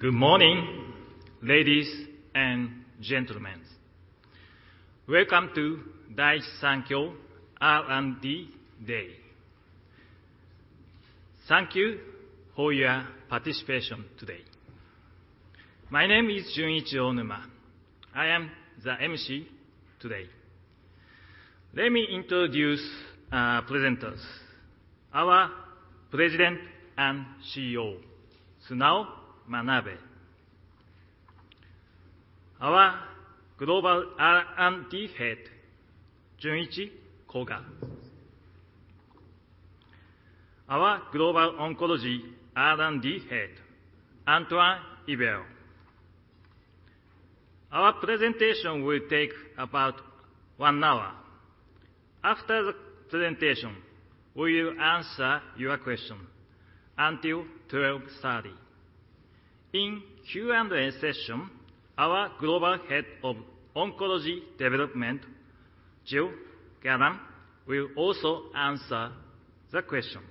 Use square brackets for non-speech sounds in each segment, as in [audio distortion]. Good morning, ladies and gentlemen. Welcome to Daiichi Sankyo R&D Day. Thank you for your participation today. My name is Junichi Onuma. I am the emcee today. Let me introduce our presenters. Our President and CEO, Sunao Manabe. Our Global R&D Head, Junichi Koga. Our Global Oncology R&D Head, Antoine Yver. Our presentation will take about one hour. After the presentation, we will answer your question until 12:30 P.M. In Q&A session, our Global Head of Oncology Development, Gilles Gallant, will also answer the question.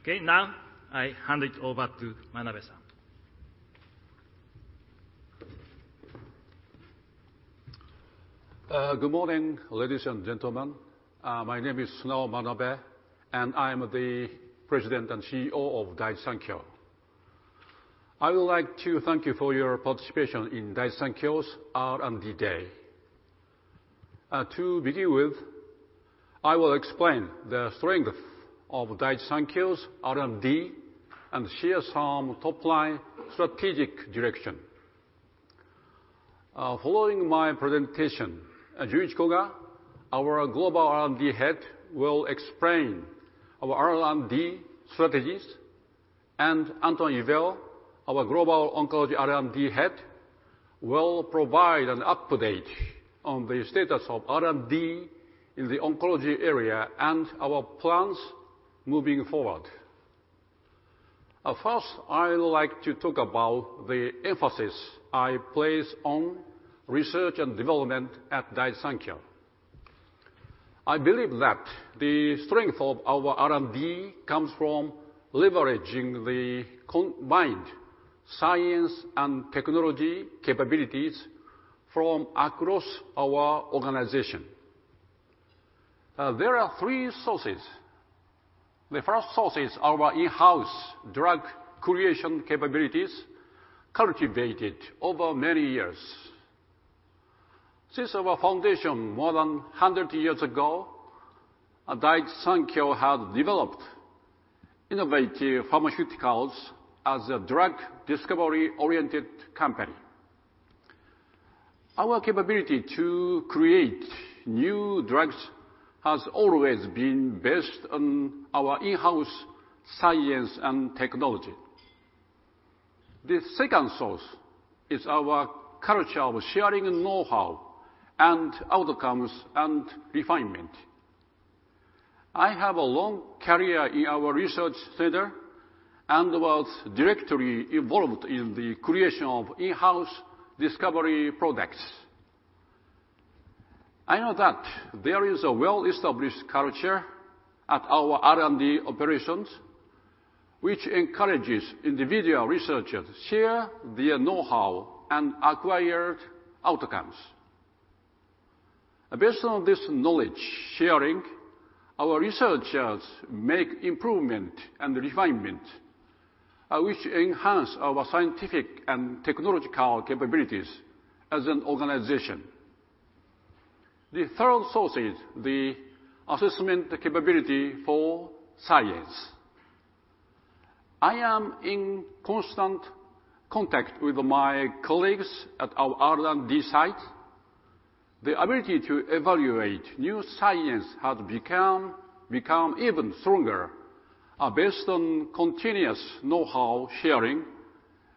Okay. Now, I hand it over to Manabe. Good morning, ladies and gentlemen. My name is Sunao Manabe, and I'm the President and CEO of Daiichi Sankyo. I would like to thank you for your participation in Daiichi Sankyo's R&D Day. I will explain the strength of Daiichi Sankyo's R&D and share some top-line strategic direction. Following my presentation, Junichi Koga, our Global R&D Head, will explain our R&D strategies, and Antoine Yver, our Global Oncology R&D Head, will provide an update on the status of R&D in the oncology area and our plans moving forward. First, I would like to talk about the emphasis I place on research and development at Daiichi Sankyo. I believe that the strength of our R&D comes from leveraging the combined science and technology capabilities from across our organization. There are three sources. The first source is our in-house drug creation capabilities cultivated over many years. Since our foundation more than 100 years ago, Daiichi Sankyo has developed innovative pharmaceuticals as a drug discovery-oriented company. Our capability to create new drugs has always been based on our in-house science and technology. The second source is our culture of sharing knowhow and outcomes and refinement. I have a long career in our research center and was directly involved in the creation of in-house discovery products. I know that there is a well-established culture at our R&D operations which encourages individual researchers share their knowhow and acquired outcomes. Based on this knowledge sharing, our researchers make improvement and refinement, which enhance our scientific and technological capabilities as an organization. The third source is the assessment capability for science. I am in constant contact with my colleagues at our R&D site. The ability to evaluate new science has become even stronger based on continuous knowhow sharing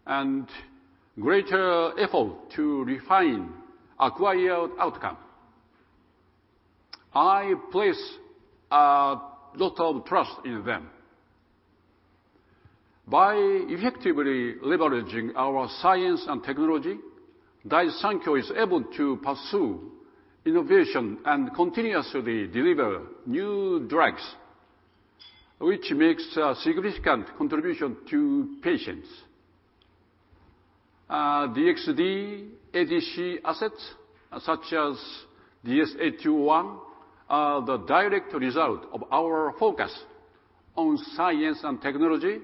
and greater effort to refine acquired outcome. I place a lot of trust in them. By effectively leveraging our science and technology, Daiichi Sankyo is able to pursue innovation and continuously deliver new drugs, which makes a significant contribution to patients. DXd ADC assets, such as DS-8201, are the direct result of our focus on science and technology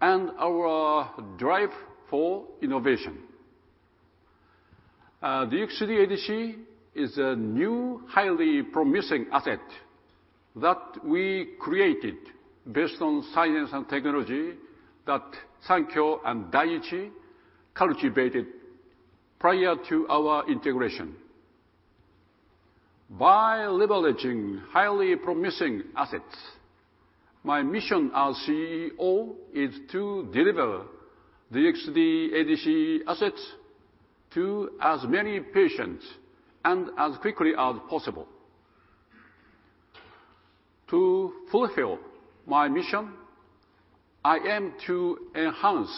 and our drive for innovation. DXd ADC is a new, highly promising asset that we created based on science and technology that Sankyo and Daiichi cultivated prior to our integration. By leveraging highly promising assets, my mission as CEO is to deliver DXd ADC assets to as many patients and as quickly as possible. To fulfill my mission, I aim to enhance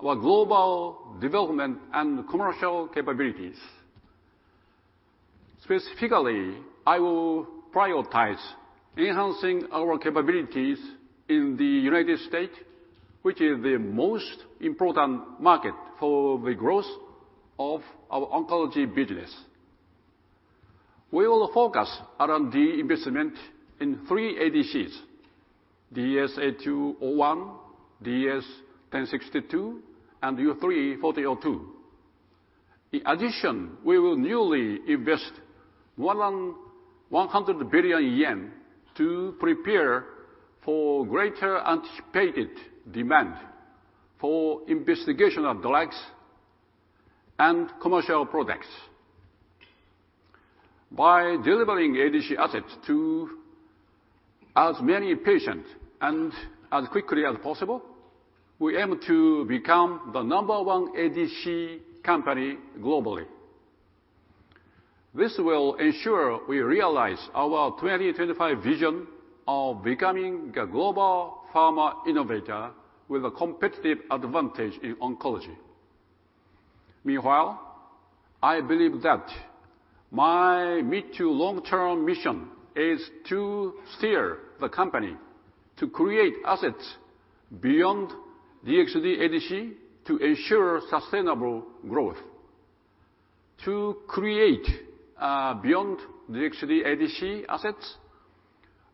our global development and commercial capabilities. Specifically, I will prioritize enhancing our capabilities in the U.S., which is the most important market for the growth of our oncology business. We will focus R&D investment in three Antibody-Drug Conjugate: DS-8201, DS-1062, and U3-1402. We will newly invest more than 100 billion yen to prepare for greater anticipated demand for investigation of drugs and commercial products. By delivering ADC assets to as many patients and as quickly as possible, we aim to become the number one ADC company globally. This will ensure we realize our 2025 Vision of becoming a global pharma innovator with a competitive advantage in oncology. I believe that my mid to long-term mission is to steer the company to create assets beyond DXd ADC to ensure sustainable growth. To create beyond DXd ADC assets,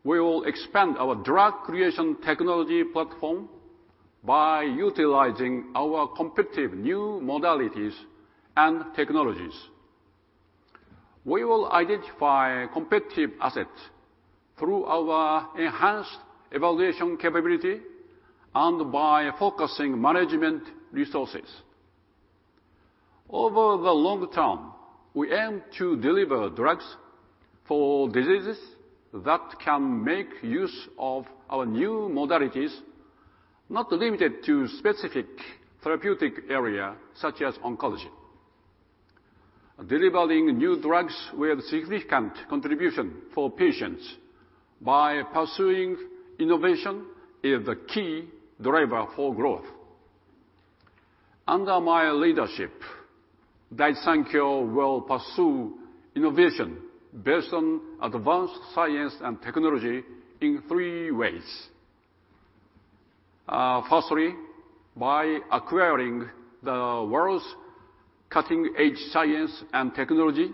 we will expand our drug creation technology platform by utilizing our competitive new modalities and technologies. We will identify competitive assets through our enhanced evaluation capability and by focusing management resources. Over the long term, we aim to deliver drugs for diseases that can make use of our new modalities, not limited to specific therapeutic area such as oncology. Delivering new drugs with significant contribution for patients by pursuing innovation is the key driver for growth. Under my leadership, Daiichi Sankyo will pursue innovation based on advanced science and technology in three ways. Firstly, by acquiring the world's cutting-edge science and technology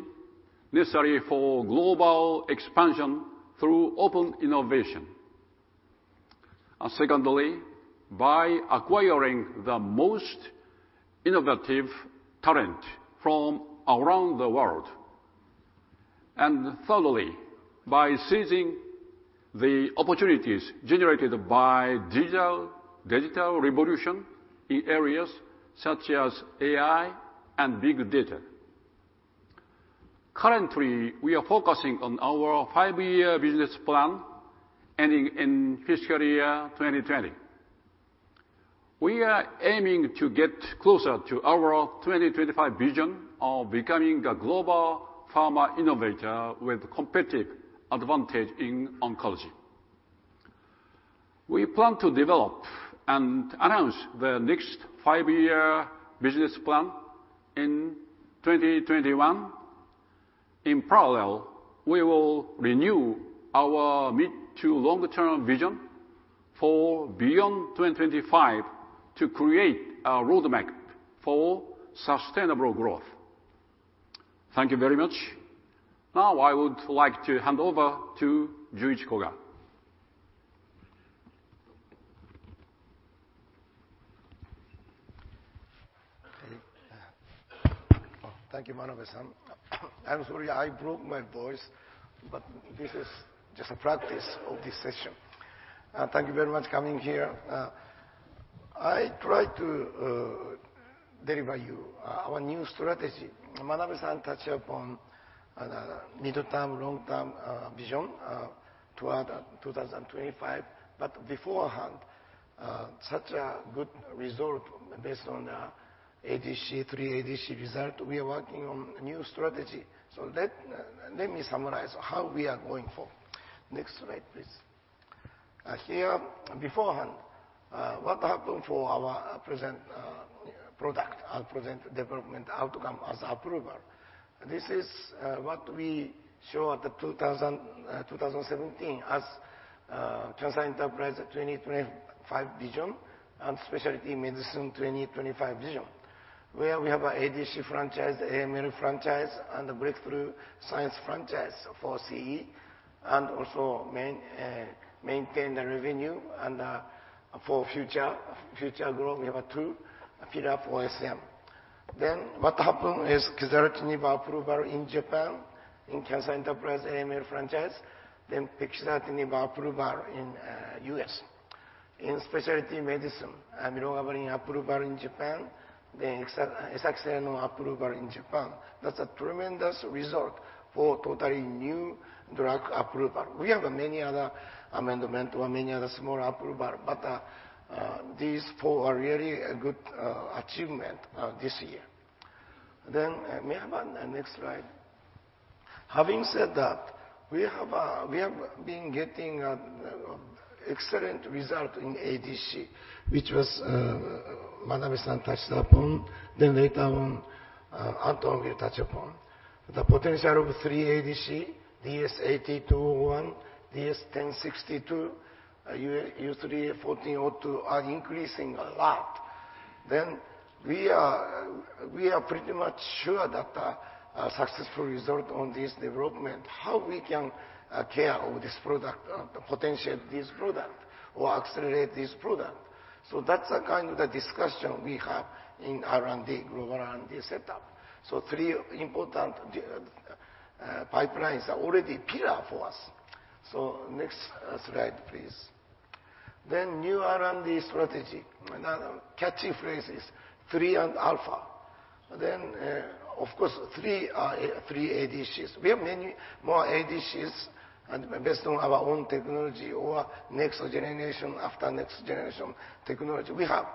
necessary for global expansion through open innovation. Secondly, by acquiring the most innovative talent from around the world. Thirdly, by seizing the opportunities generated by digital revolution in areas such as AI and big data. Currently, we are focusing on our five year business plan ending in fiscal year 2020. We are aiming to get closer to our 2025 Vision of becoming a global pharma innovator with competitive advantage in oncology. We plan to develop and announce the next five year business plan in 2021. In parallel, we will renew our mid to long-term vision for beyond 2025 to create a roadmap for sustainable growth. Thank you very much. Now I would like to hand over to Junichi Koga. Okay. Thank you, Manabe-san. I'm sorry I broke my voice, this is just a practice of this session. Thank you very much coming here. I try to deliver you our new strategy. Manabe-san touch upon middle term, long-term vision toward 2025, beforehand such a good result based on ADC, three ADC result, we are working on a new strategy. Let me summarize how we are going forward. Next slide, please. Here, beforehand what happened for our present product, our present development outcome as approval? This is what we show at the 2017 as Cancer Enterprise 2025 Vision and Specialty Medicine 2025 Vision, where we have ADC franchise, Acute Myeloid Leukemia franchise, and a breakthrough science franchise for Commercial Excellence, and also maintain the revenue and for future growth we have a true pillar for Strategic Marketing. What happened is [quizartinib] approval in Japan in Cancer Enterprise AML franchise, [Enhertu] approval in U.S. In Specialty Medicine, [olmesartan] approval in Japan, esaxerenone approval in Japan. That's a tremendous result for totally new drug approval. We have many other amendment or many other small approval, these four are really a good achievement this year. May I have next slide? Having said that, we have been getting an excellent result in ADC, which was Manabe-san touched upon, later on Antoine will touch upon. The potential of three ADC, DS-8201, DS-1062, U3-1402, are increasing a lot. We are pretty much sure that a successful result on this development, how we can care of this product, potential this product, or accelerate this product. That's the kind of the discussion we have in R&D, global R&D setup. Three important pipelines are already pillar for us. Next slide, please. New R&D strategy. Catchy phrase is three and alpha. Of course, three ADCs. We have many more ADCs based on our own technology or next generation, after next generation technology. We have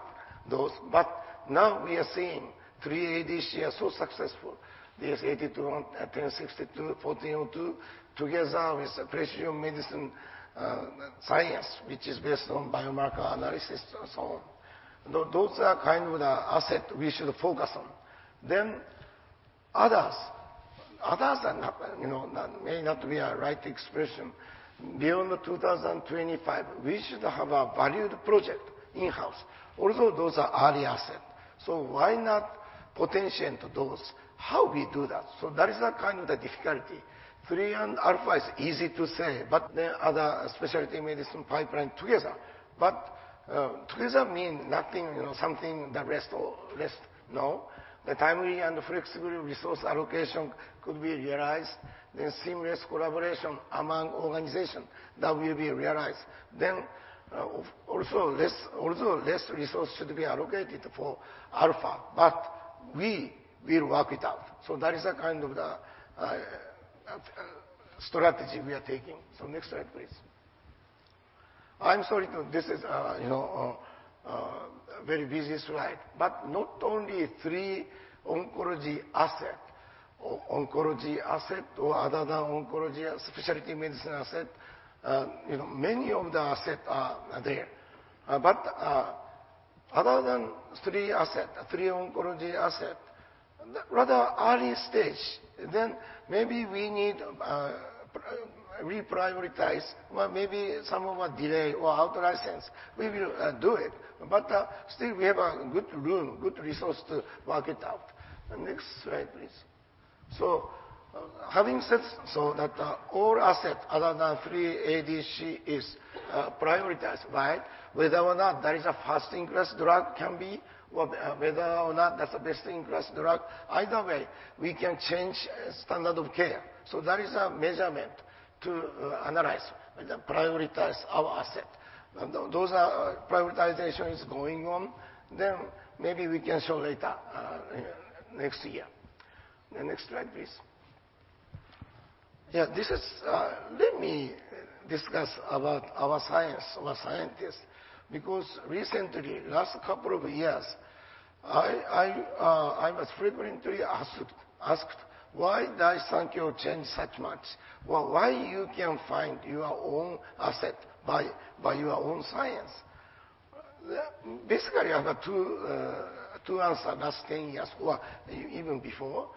those, but now we are seeing three ADC are so successful, DS-8201, DS-1062, U3-1402, together with precision medicine science, which is based on biomarker analysis and so on. Those are kind of the asset we should focus on. Others. Others may not be a right expression. Beyond 2025, we should have a valued project in-house. Although those are early asset, so why not potential those? How we do that? That is the kind of the difficulty. Three and alpha is easy to say, but the other specialty medicine pipeline together. Together mean nothing, something the rest list. No. The timely and flexible resource allocation could be realized. Seamless collaboration among organization that will be realized. Also less resource should be allocated for alpha, but we will work it out. That is the kind of the strategy we are taking. Next slide, please. I'm sorry, this is a very busy slide. Not only three oncology asset or other oncology Specialty Medicine asset. Many of the asset are there. Other than three asset, three oncology asset, rather early stage, then maybe we need reprioritize. Well, maybe some of a delay or out license, we will do it. Still we have a good room, good resource to work it out. Next slide, please. Having said so that all asset other than three ADC is prioritized, right? Whether or not there is a first-in-class drug can be or whether or not that's the best-in-class drug, either way, we can change standard of care. That is a measurement to analyze and prioritize our asset. Those are prioritization is going on. Maybe we can show later next year. The next slide, please. Let me discuss about our science, our scientists, because recently, last couple of years, I was frequently asked, "Why Daiichi Sankyo change such much?" Why you can find your own asset by your own science? Basically, I have two answer last 10 years or even before.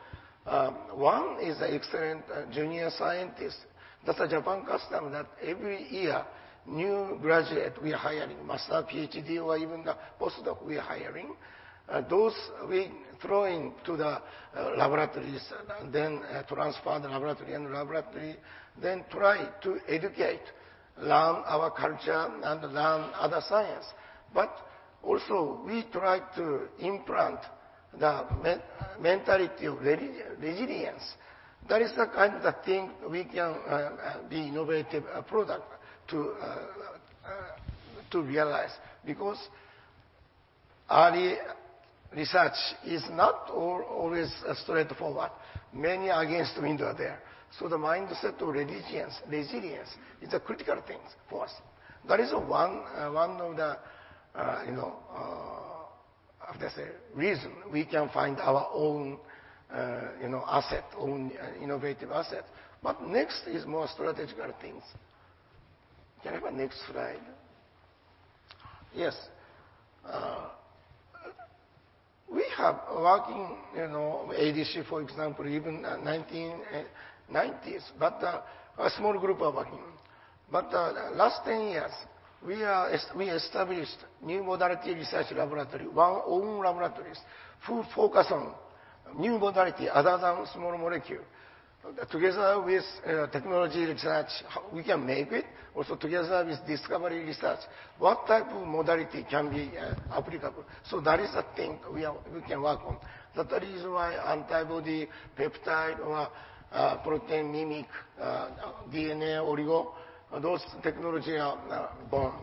One is excellent junior scientist. That's a Japan custom that every year, new graduate we are hiring, Master, PhD, or even the postdoc we are hiring. Those we throw into the laboratories, then transfer the laboratory and laboratory, then try to educate, learn our culture, and learn other science. Also we try to implant the mentality of resilience. That is the kind of thing we can be innovative product to realize, because early research is not always straightforward. Many against window there. The mindset to resilience is a critical thing for us. That is one of the reason we can find our own asset, own innovative asset. Next is more strategical things. Can I have a next slide? Yes. We have working ADC, for example, even 1990s, but a small group are working. Last 10 years, we established new modality research laboratory. Our own laboratories who focus on new modality other than small molecule. Together with technology research, we can make it. Also together with discovery research, what type of modality can be applicable. That is the thing we can work on. That the reason why antibody, peptide or protein mimic, DNA oligo, those technology are born.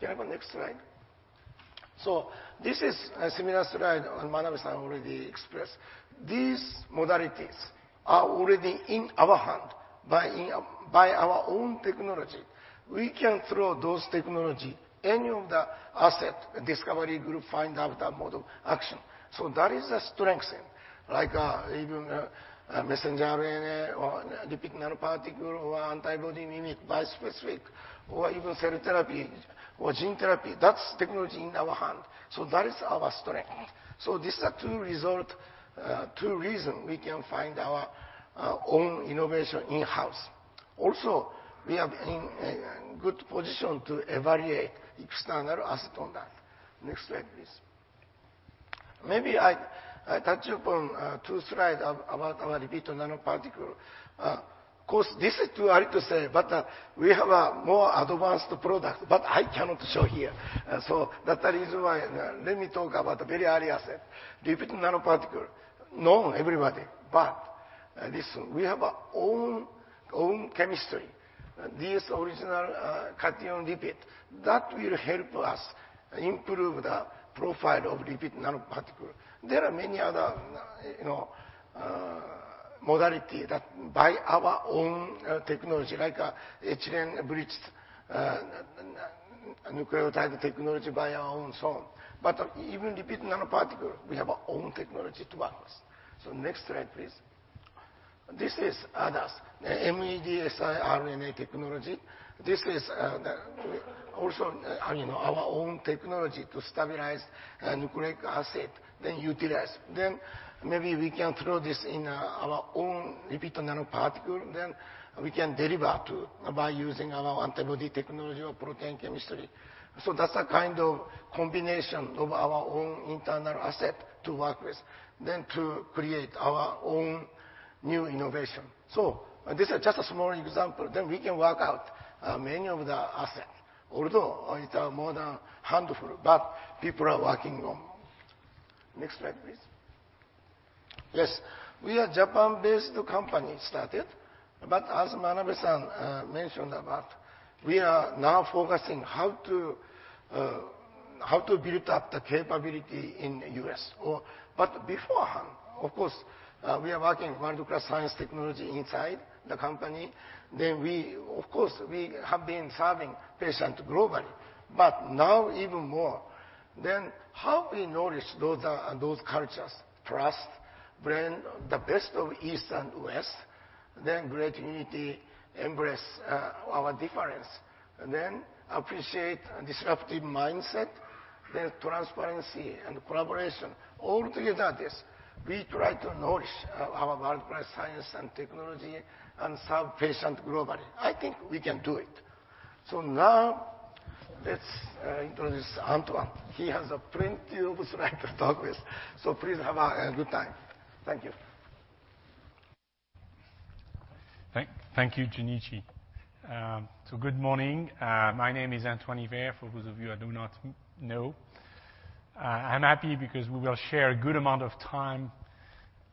Can I have a next slide? This is a similar slide Manabe-san already expressed. These modalities are already in our hand by our own technology. We can throw those technology, any of the asset discovery group find out the mode of action. That is a strength. Like even messenger RNA or lipid nanoparticle or antibody mimic bispecific, or even cell therapy or gene therapy. That's technology in our hand. That is our strength. These are two reason we can find our own innovation in-house. Also, we are in a good position to evaluate external asset on that. Next slide, please. Maybe I touch upon two slide about our lipid nanoparticle. Of course, this is too early to say, but we have a more advanced product, but I cannot show here. That is why let me talk about the very early asset. Lipid nanoparticle. Know everybody, listen, we have our own chemistry. This original cationic lipid that will help us improve the profile of lipid nanoparticle. There are many other modality that by our own technology like ENA bridged nucleotide technology by our own so on. Even lipid nanoparticle, we have our own technology to work. Next slide, please. This is others. MEDSI RNA technology. This is also our own technology to stabilize nucleic acid, then utilize. Maybe we can throw this in our own lipid nanoparticle, then we can deliver too by using our antibody technology or protein chemistry. That's a kind of combination of our own internal asset to work with, then to create our own new innovation. This is just a small example. We can work out many of the asset, although it are more than handful, but people are working on. Next slide, please. Yes, we are Japan-based company started. As Manabe-san mentioned about, we are now focusing how to build up the capability in U.S. Beforehand, of course, we are working world-class science technology inside the company. We, of course, we have been serving patient globally. Now even more. How we nourish those cultures? Trust, blend the best of East and West, then great unity, embrace our difference, then appreciate disruptive mindset, then transparency and collaboration. All together this. We try to nourish our world-class science and technology and serve patient globally. I think we can do it. Now let's introduce Antoine Yver. He has plenty of slide to talk with. Please have a good time. Thank you. Thank you, Junichi. Good morning. My name is Antoine Yver, for those of you who do not know. I'm happy because we will share a good amount of time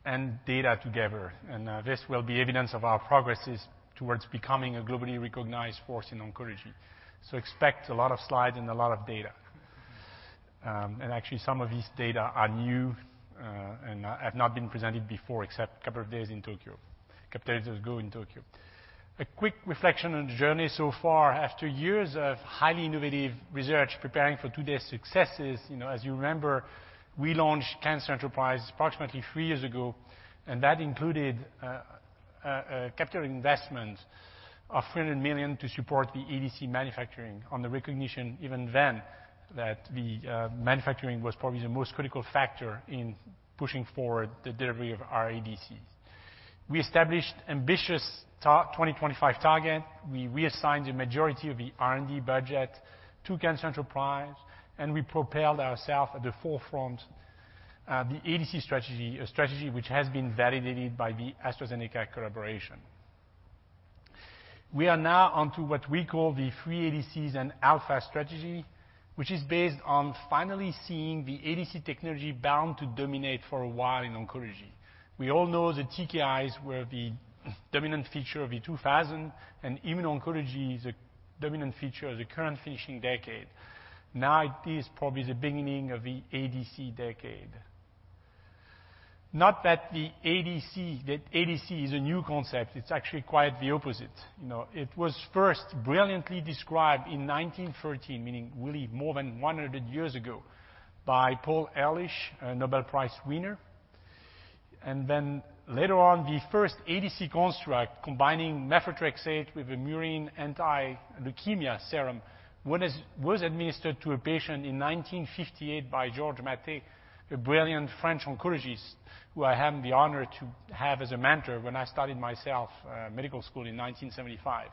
and data together, and this will be evidence of our progresses towards becoming a globally recognized force in oncology. Expect a lot of slides and a lot of data. Actually, some of these data are new, and have not been presented before except couple of days ago in Tokyo. A quick reflection on the journey so far after years of highly innovative research preparing for today's successes. As you remember, we launched Cancer Enterprise approximately three years ago, and that included a capital investment of 300 billion to support the ADC manufacturing on the recognition even then that the manufacturing was probably the most critical factor in pushing forward the delivery of our ADCs. We established ambitious 2025 target. We reassigned the majority of the R&D budget to Cancer Enterprise, we propelled ourself at the forefront the ADC strategy, a strategy which has been validated by the AstraZeneca collaboration. We are now onto what we call the three ADCs and Alpha strategy, which is based on finally seeing the ADC technology bound to dominate for a while in oncology. We all know that Tyrosine Kinase Inhibitors were the dominant feature of the 2000s, Immuno-Oncology is a dominant feature of the current finishing decade. It is probably the beginning of the ADC decade. Not that the ADC is a new concept. It's actually quite the opposite. It was first brilliantly described in 1913, meaning really more than 100 years ago, by Paul Ehrlich, a Nobel Prize winner. Later on, the first ADC construct, combining methotrexate with a murine anti-leukemia serum, was administered to a patient in 1958 by Georges Mathé, a brilliant French oncologist, who I had the honor to have as a mentor when I started myself medical school in 1975.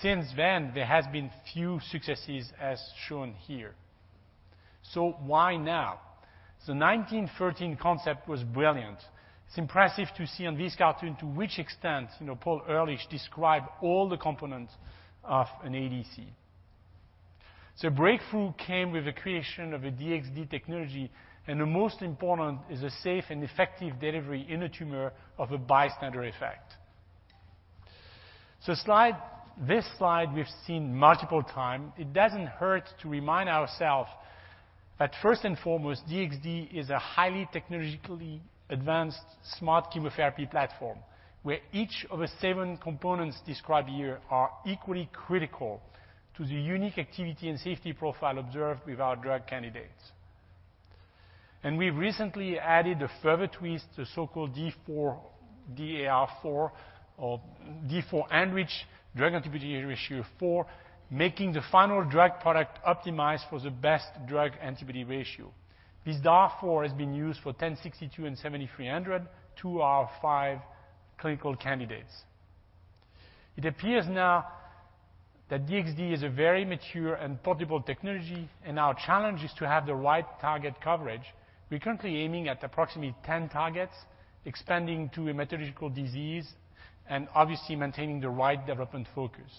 Since then, there has been few successes as shown here. Why now? The 1913 concept was brilliant. It is impressive to see on this cartoon to which extent Paul Ehrlich described all the components of an ADC. Breakthrough came with the creation of a DXd technology, and the most important is a safe and effective delivery in a tumor of a bystander effect. This slide we have seen multiple times. It doesn't hurt to remind ourself that first and foremost, DXd is a highly technologically advanced smart chemotherapy platform, where each of the seven components described here are equally critical to the unique activity and safety profile observed with our drug candidates. We've recently added a further twist, the so-called D4, DAR4 or D4 ANDR, Drug-to-Antibody Ratio 4, making the final drug product optimized for the best Drug-to-Antibody Ratio. This DAR4 has been used for DS-1062 and 7300, two of our five clinical candidates. It appears now that DXd is a very mature and portable technology, and our challenge is to have the right target coverage. We're currently aiming at approximately 10 targets, expanding to a hematological disease, and obviously maintaining the right development focus.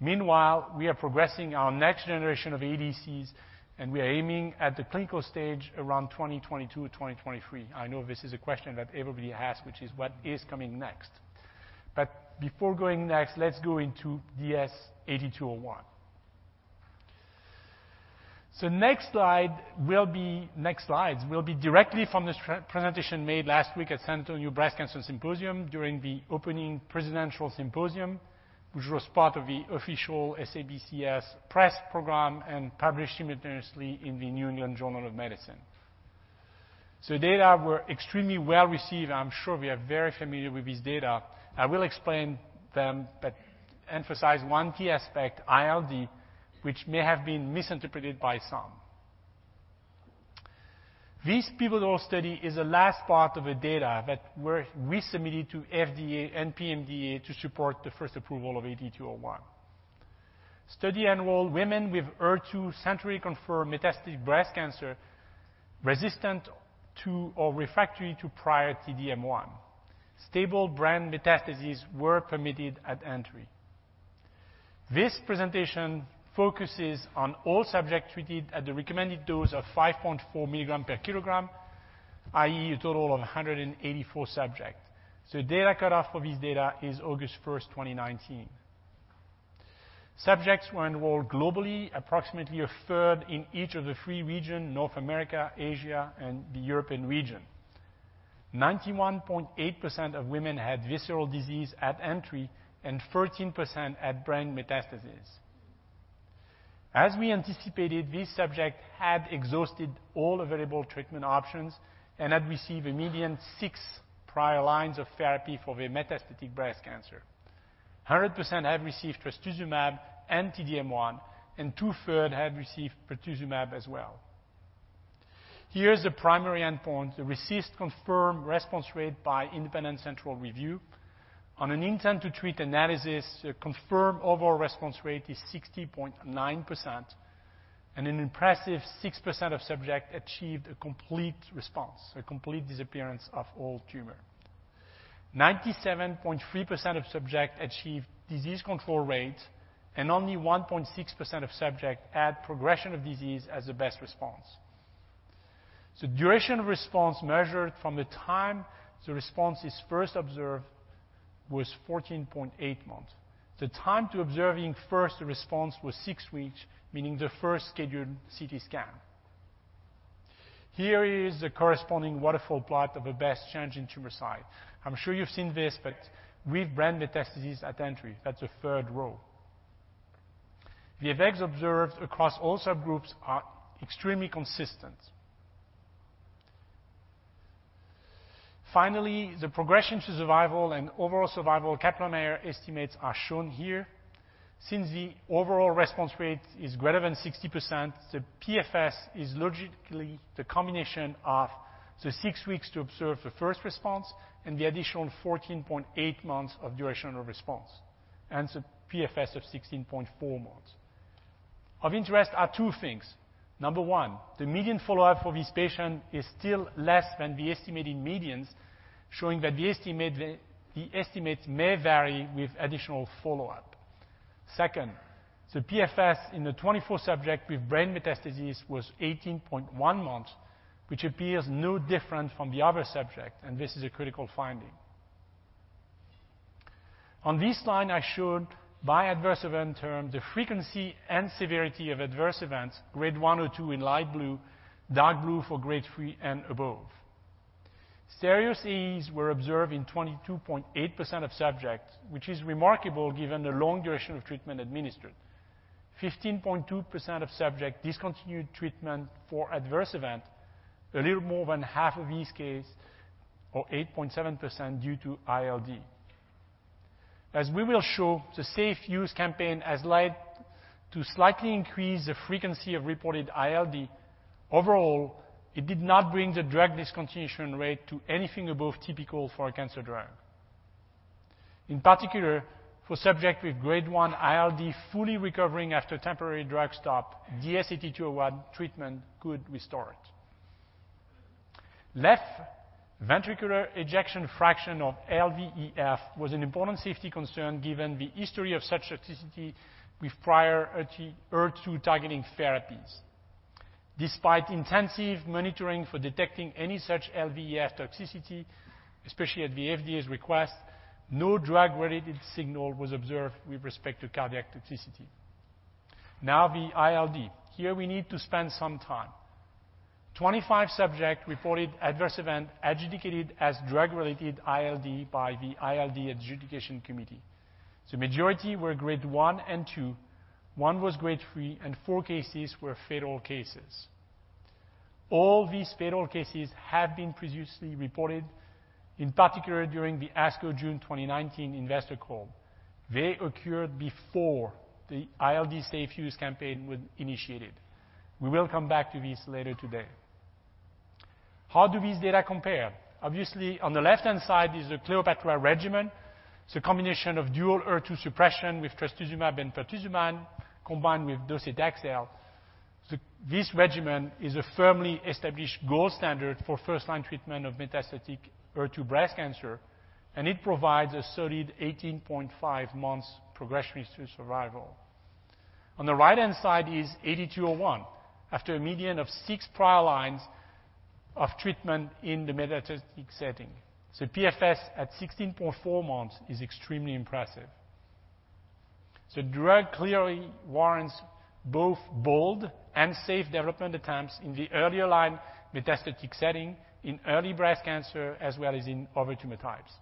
Meanwhile, we are progressing our next generation of ADCs, and we are aiming at the clinical stage around 2022 or 2023. I know this is a question that everybody asks, which is what is coming next? Before going next, let's go into DS-8201. Next slides will be directly from this presentation made last week at San Antonio Breast Cancer Symposium during the opening presidential symposium, which was part of the official SABCS press program and published simultaneously in The New England Journal of Medicine. Data were extremely well received. I'm sure we are very familiar with this data. I will explain them, but emphasize one key aspect, Interstitial Lung Disease, which may have been misinterpreted by some. This pivotal study is the last part of the data that we submitted to FDA and PMDA to support the first approval of DS-8201. Study enrolled women with Human Epidermal Growth Factor Receptor 2 centrally confirmed metastatic breast cancer resistant to or refractory to prior T-DM1. Stable brain metastases were permitted at entry. This presentation focuses on all subjects treated at the recommended dose of 5.4 mg/kg, i.e., a total of 184 subjects. Data cutoff for this data is August 1st, 2019. Subjects were enrolled globally, approximately a third in each of the three regions, North America, Asia, and the European region. 91.8% of women had visceral disease at entry and 13% had brain metastases. As we anticipated, this subject had exhausted all available treatment options and had received a median six prior lines of therapy for their metastatic breast cancer. 100% had received trastuzumab and T-DM1, and 2/3 had received pertuzumab as well. Here is the primary endpoint, the RECIST-confirmed response rate by independent central review. On an intent to treat analysis, the confirmed overall response rate is 60.9%, and an impressive 6% of subjects achieved a complete response, a complete disappearance of all tumor. 97.3% of subject achieved disease control rate, only 1.6% of subject had progression of disease as the best response. Duration of response measured from the time the response is first observed was 14.8 months. The time to observing first response was six weeks, meaning the first scheduled CT scan. Here is the corresponding waterfall plot of the best change in tumor size. I'm sure you've seen this, with brain metastases at entry. That's the third row. The effects observed across all subgroups are extremely consistent. Finally, the progression to survival and overall survival Kaplan-Meier estimates are shown here. Since the overall response rate is greater than 60%, the PFS is logically the combination of the six weeks to observe the first response and the additional 14.8 months of duration of response. The PFS of 16.4 months. Of interest are two things. Number one, the median follow-up for this patient is still less than the estimated medians, showing that the estimates may vary with additional follow-up. Second, the Progression-Free Survival in the 24 subject with brain metastases was 18.1 months, which appears no different from the other subject, and this is a critical finding. On this line, I showed by adverse event term the frequency and severity of adverse events, Grade 1 or Grade 2 in light blue, dark blue for Grade 3 and above. Serious AEs were observed in 22.8% of subjects, which is remarkable given the long duration of treatment administered. 15.2% of subject discontinued treatment for adverse event, a little more than half of this case, or 8.7% due to ILD. As we will show, the safe use campaign has led to slightly increase the frequency of reported ILD. Overall, it did not bring the drug discontinuation rate to anything above typical for a cancer drug. In particular, for subjects with Grade 1 ILD fully recovering after temporary drug stop, DS-8201 treatment could restore it. Left Ventricular Ejection Fraction or LVEF was an important safety concern given the history of such toxicity with prior HER2 targeting therapies. Despite intensive monitoring for detecting any such LVEF toxicity, especially at the FDA's request, no drug-related signal was observed with respect to cardiac toxicity. The ILD. Here we need to spend some time. 25 subjects reported adverse event adjudicated as drug-related ILD by the ILD adjudication committee. Majority were Grade 1 and Grade 2, one was Grade 3, and four cases were fatal cases. All these fatal cases have been previously reported, in particular during the ASCO June 2019 investor call. They occurred before the ILD Safe Use Campaign was initiated. We will come back to this later today. How do these data compare? Obviously, on the left-hand side is the CLEOPATRA regimen. It's a combination of dual HER2 suppression with trastuzumab and pertuzumab, combined with docetaxel. This regimen is a firmly established gold standard for first-line treatment of metastatic HER2 breast cancer, and it provides a solid 18.5 months progression-free survival. On the right-hand side is DS-8201 after a median of six prior lines of treatment in the metastatic setting. PFS at 16.4 months is extremely impressive. Drug clearly warrants both bold and safe development attempts in the earlier line metastatic setting in early breast cancer as well as in other tumor types.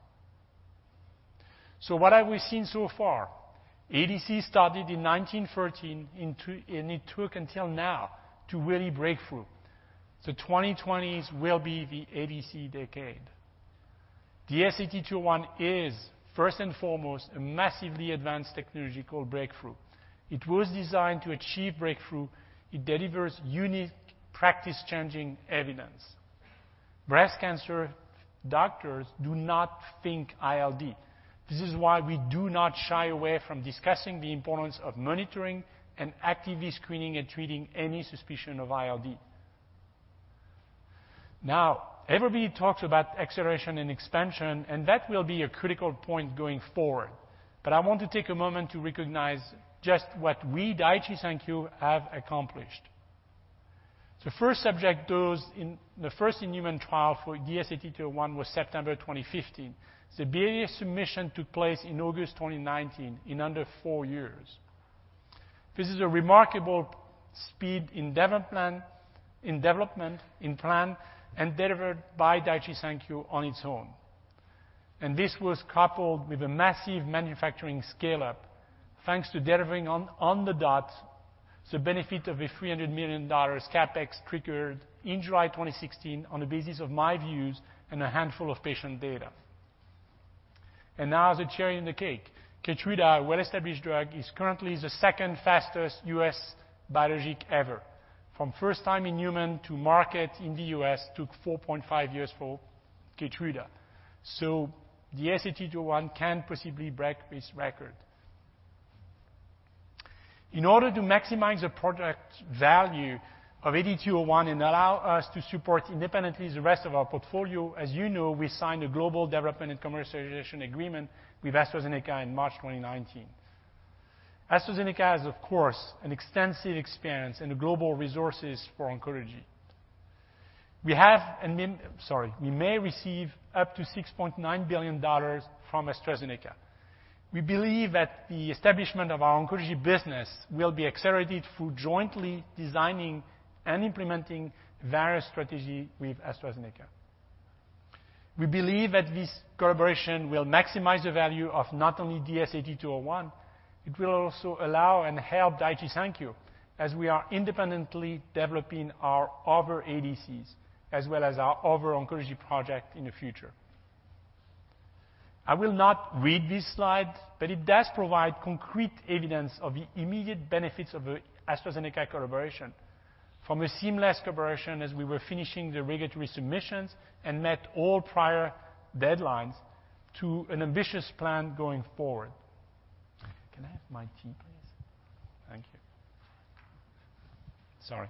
What have we seen so far? ADCs started in 1913, and it took until now to really break through. 2020s will be the ADC decade. DS-8201 is first and foremost a massively advanced technological breakthrough. It was designed to achieve breakthrough. It delivers unique practice-changing evidence. Breast cancer doctors do not think ILD. This is why we do not shy away from discussing the importance of monitoring and actively screening and treating any suspicion of ILD. Everybody talks about acceleration and expansion, and that will be a critical point going forward. I want to take a moment to recognize just what we, Daiichi Sankyo, have accomplished. The first subject dose in the first human trial for DS-8201 was September 2015. The Biologics License Application submission took place in August 2019, in under four years. This is a remarkable speed in development, in plan, and delivered by Daiichi Sankyo on its own. This was coupled with a massive manufacturing scaleup thanks to delivering on the dot the benefit of a JPY 300 billion CapEx triggered in July 2016 on the basis of my views and a handful of patient data. Now the cherry on the cake. KEYTRUDA, a well-established drug, is currently the second fastest U.S. biologic ever. From first time in human to market in the U.S. took 4.5 years for KEYTRUDA. DS-8201 can possibly break this record. In order to maximize the product value of DS-8201 and allow us to support independently the rest of our portfolio, as you know, we signed a global development and commercialization agreement with AstraZeneca in March 2019. AstraZeneca has, of course, an extensive experience in the global resources for oncology. We have a Sorry. We may receive up to $6.9 billion from AstraZeneca. We believe that the establishment of our oncology business will be accelerated through jointly designing and implementing various strategy with AstraZeneca. We believe that this collaboration will maximize the value of not only DS-8201, it will also allow and help Daiichi Sankyo as we are independently developing our other ADCs as well as our other oncology project in the future. I will not read this slide, but it does provide concrete evidence of the immediate benefits of the AstraZeneca collaboration. From a seamless collaboration as we were finishing the regulatory submissions and met all prior deadlines to an ambitious plan going forward. Can I have my tea, please? Thank you. Sorry.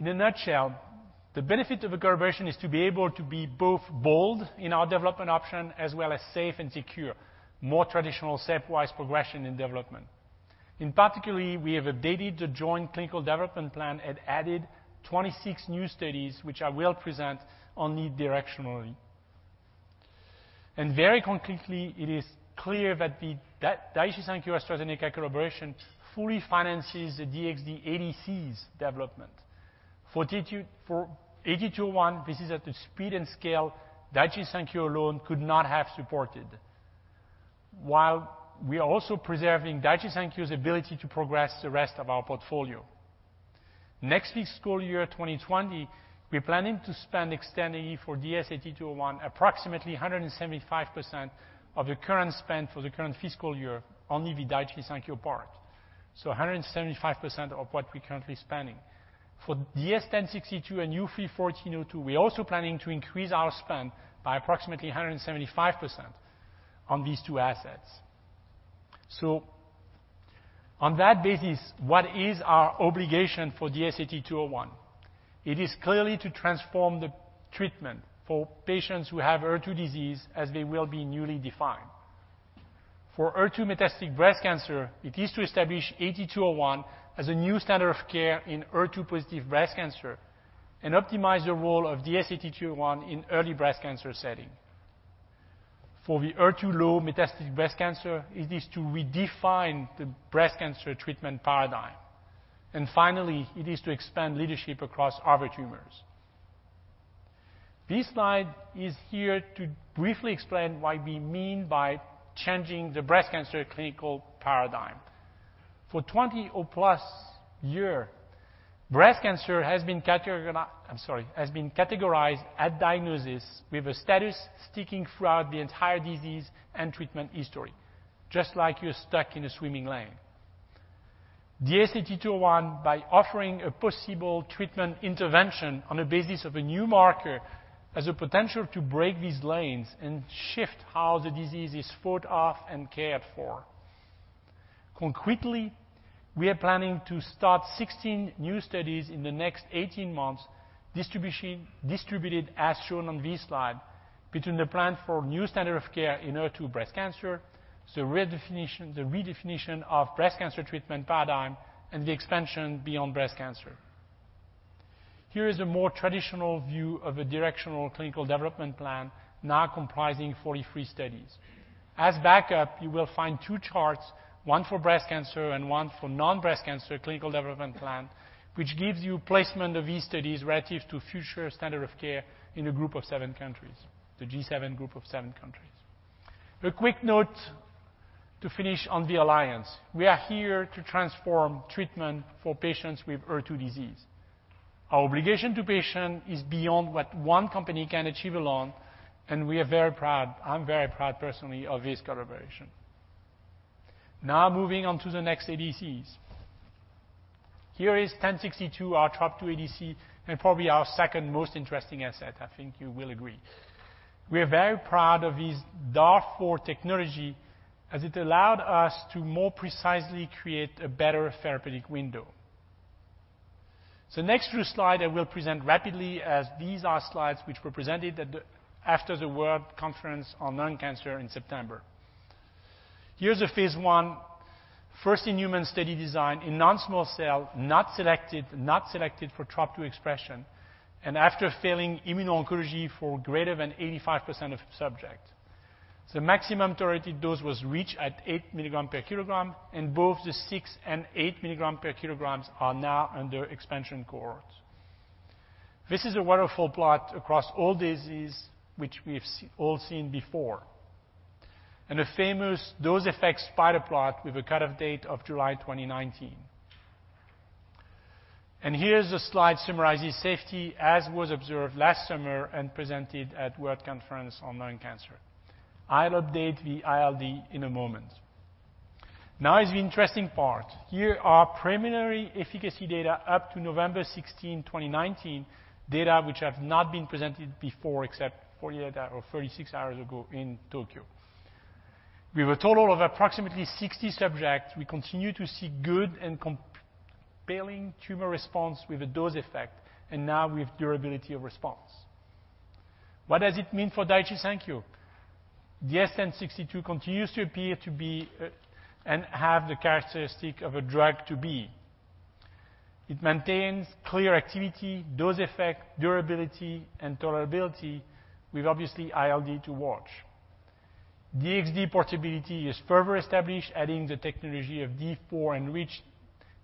In a nutshell, the benefit of a collaboration is to be able to be both bold in our development option as well as safe and secure. More traditional step-wise progression in development. In particularly, we have updated the joint clinical development plan and added 26 new studies, which I will present only directionally. Very concretely, it is clear that the Daiichi Sankyo AstraZeneca collaboration fully finances the DXd ADCs development. For DS-8201, this is at a speed and scale Daiichi Sankyo alone could not have supported, while we are also preserving Daiichi Sankyo's ability to progress the rest of our portfolio. Next fiscal year 2020, we're planning to spend externally for DS-8201 approximately 175% of the current spend for the current fiscal year on the Daiichi Sankyo part. 175% of what we're currently spending. For DS-1062 and U3-1402, we're also planning to increase our spend by approximately 175% on these two assets. On that basis, what is our obligation for DS-8201? It is clearly to transform the treatment for patients who have HER2 disease as they will be newly defined. For HER2 metastatic breast cancer, it is to establish AT201 as a new standard of care in HER2 positive breast cancer and optimize the role of DS-8201 in early breast cancer setting. For the HER2 low metastatic breast cancer, it is to redefine the breast cancer treatment paradigm. Finally, it is to expand leadership across other tumors. This slide is here to briefly explain what we mean by changing the breast cancer clinical paradigm. For 20 or 20+ year, breast cancer has been categorized at diagnosis with a status sticking throughout the entire disease and treatment history, just like you're stuck in a swimming lane. DS-8201 by offering a possible treatment intervention on a basis of a new marker, has a potential to break these lanes and shift how the disease is fought off and cared for. Concretely, we are planning to start 16 new studies in the next 18 months, distributed as shown on this slide between the plan for new standard of care in HER2 breast cancer, the redefinition of breast cancer treatment paradigm, and the expansion beyond breast cancer. Here is a more traditional view of a directional clinical development plan now comprising 43 studies. As backup, you will find two charts, one for breast cancer and one for non-breast cancer clinical development plan, which gives you placement of these studies relative to future standard of care in a group of seven countries, the G7 group of seven countries. A quick note to finish on the alliance. We are here to transform treatment for patients with HER2 disease. Our obligation to patient is beyond what one company can achieve alone. We are very proud, I'm very proud personally of this collaboration. Moving on to the next ADCs. Here is DS-1062, our TROP2 ADC, probably our second most interesting asset. I think you will agree. We are very proud of this DAR4 technology, as it allowed us to more precisely create a better therapeutic window. The next few slides I will present rapidly as these are slides which were presented after the World Conference on Lung Cancer in September. Here's a phase I, first in human study design in non-small cell, not selected for TROP2 expression, after failing immunotherapy for greater than 85% of subjects. Maximum tolerated dose was reached at 8 mg/kg, both the 6 mg/kg and 8 mg/kg are now under expansion cohorts. This is a waterfall plot across all diseases, which we have all seen before. A famous dose effect spider plot with a cutoff date of July 2019. Here is a slide summarizing safety as was observed last summer and presented at World Conference on Lung Cancer. I'll update the ILD in a moment. Now is the interesting part. Here are preliminary efficacy data up to November 16, 2019, data which have not been presented before except 48 or 36 hours ago in Tokyo. With a total of approximately 60 subjects, we continue to see good and compelling tumor response with a dose effect, and now with durability of response. What does it mean for Daiichi Sankyo? DS-1062 continues to appear to be and have the characteristic of a drug to be. It maintains clear activity, dose effect, durability, and tolerability with obviously ILD to watch. DXd portability is further established, adding the technology of DAR4 and reached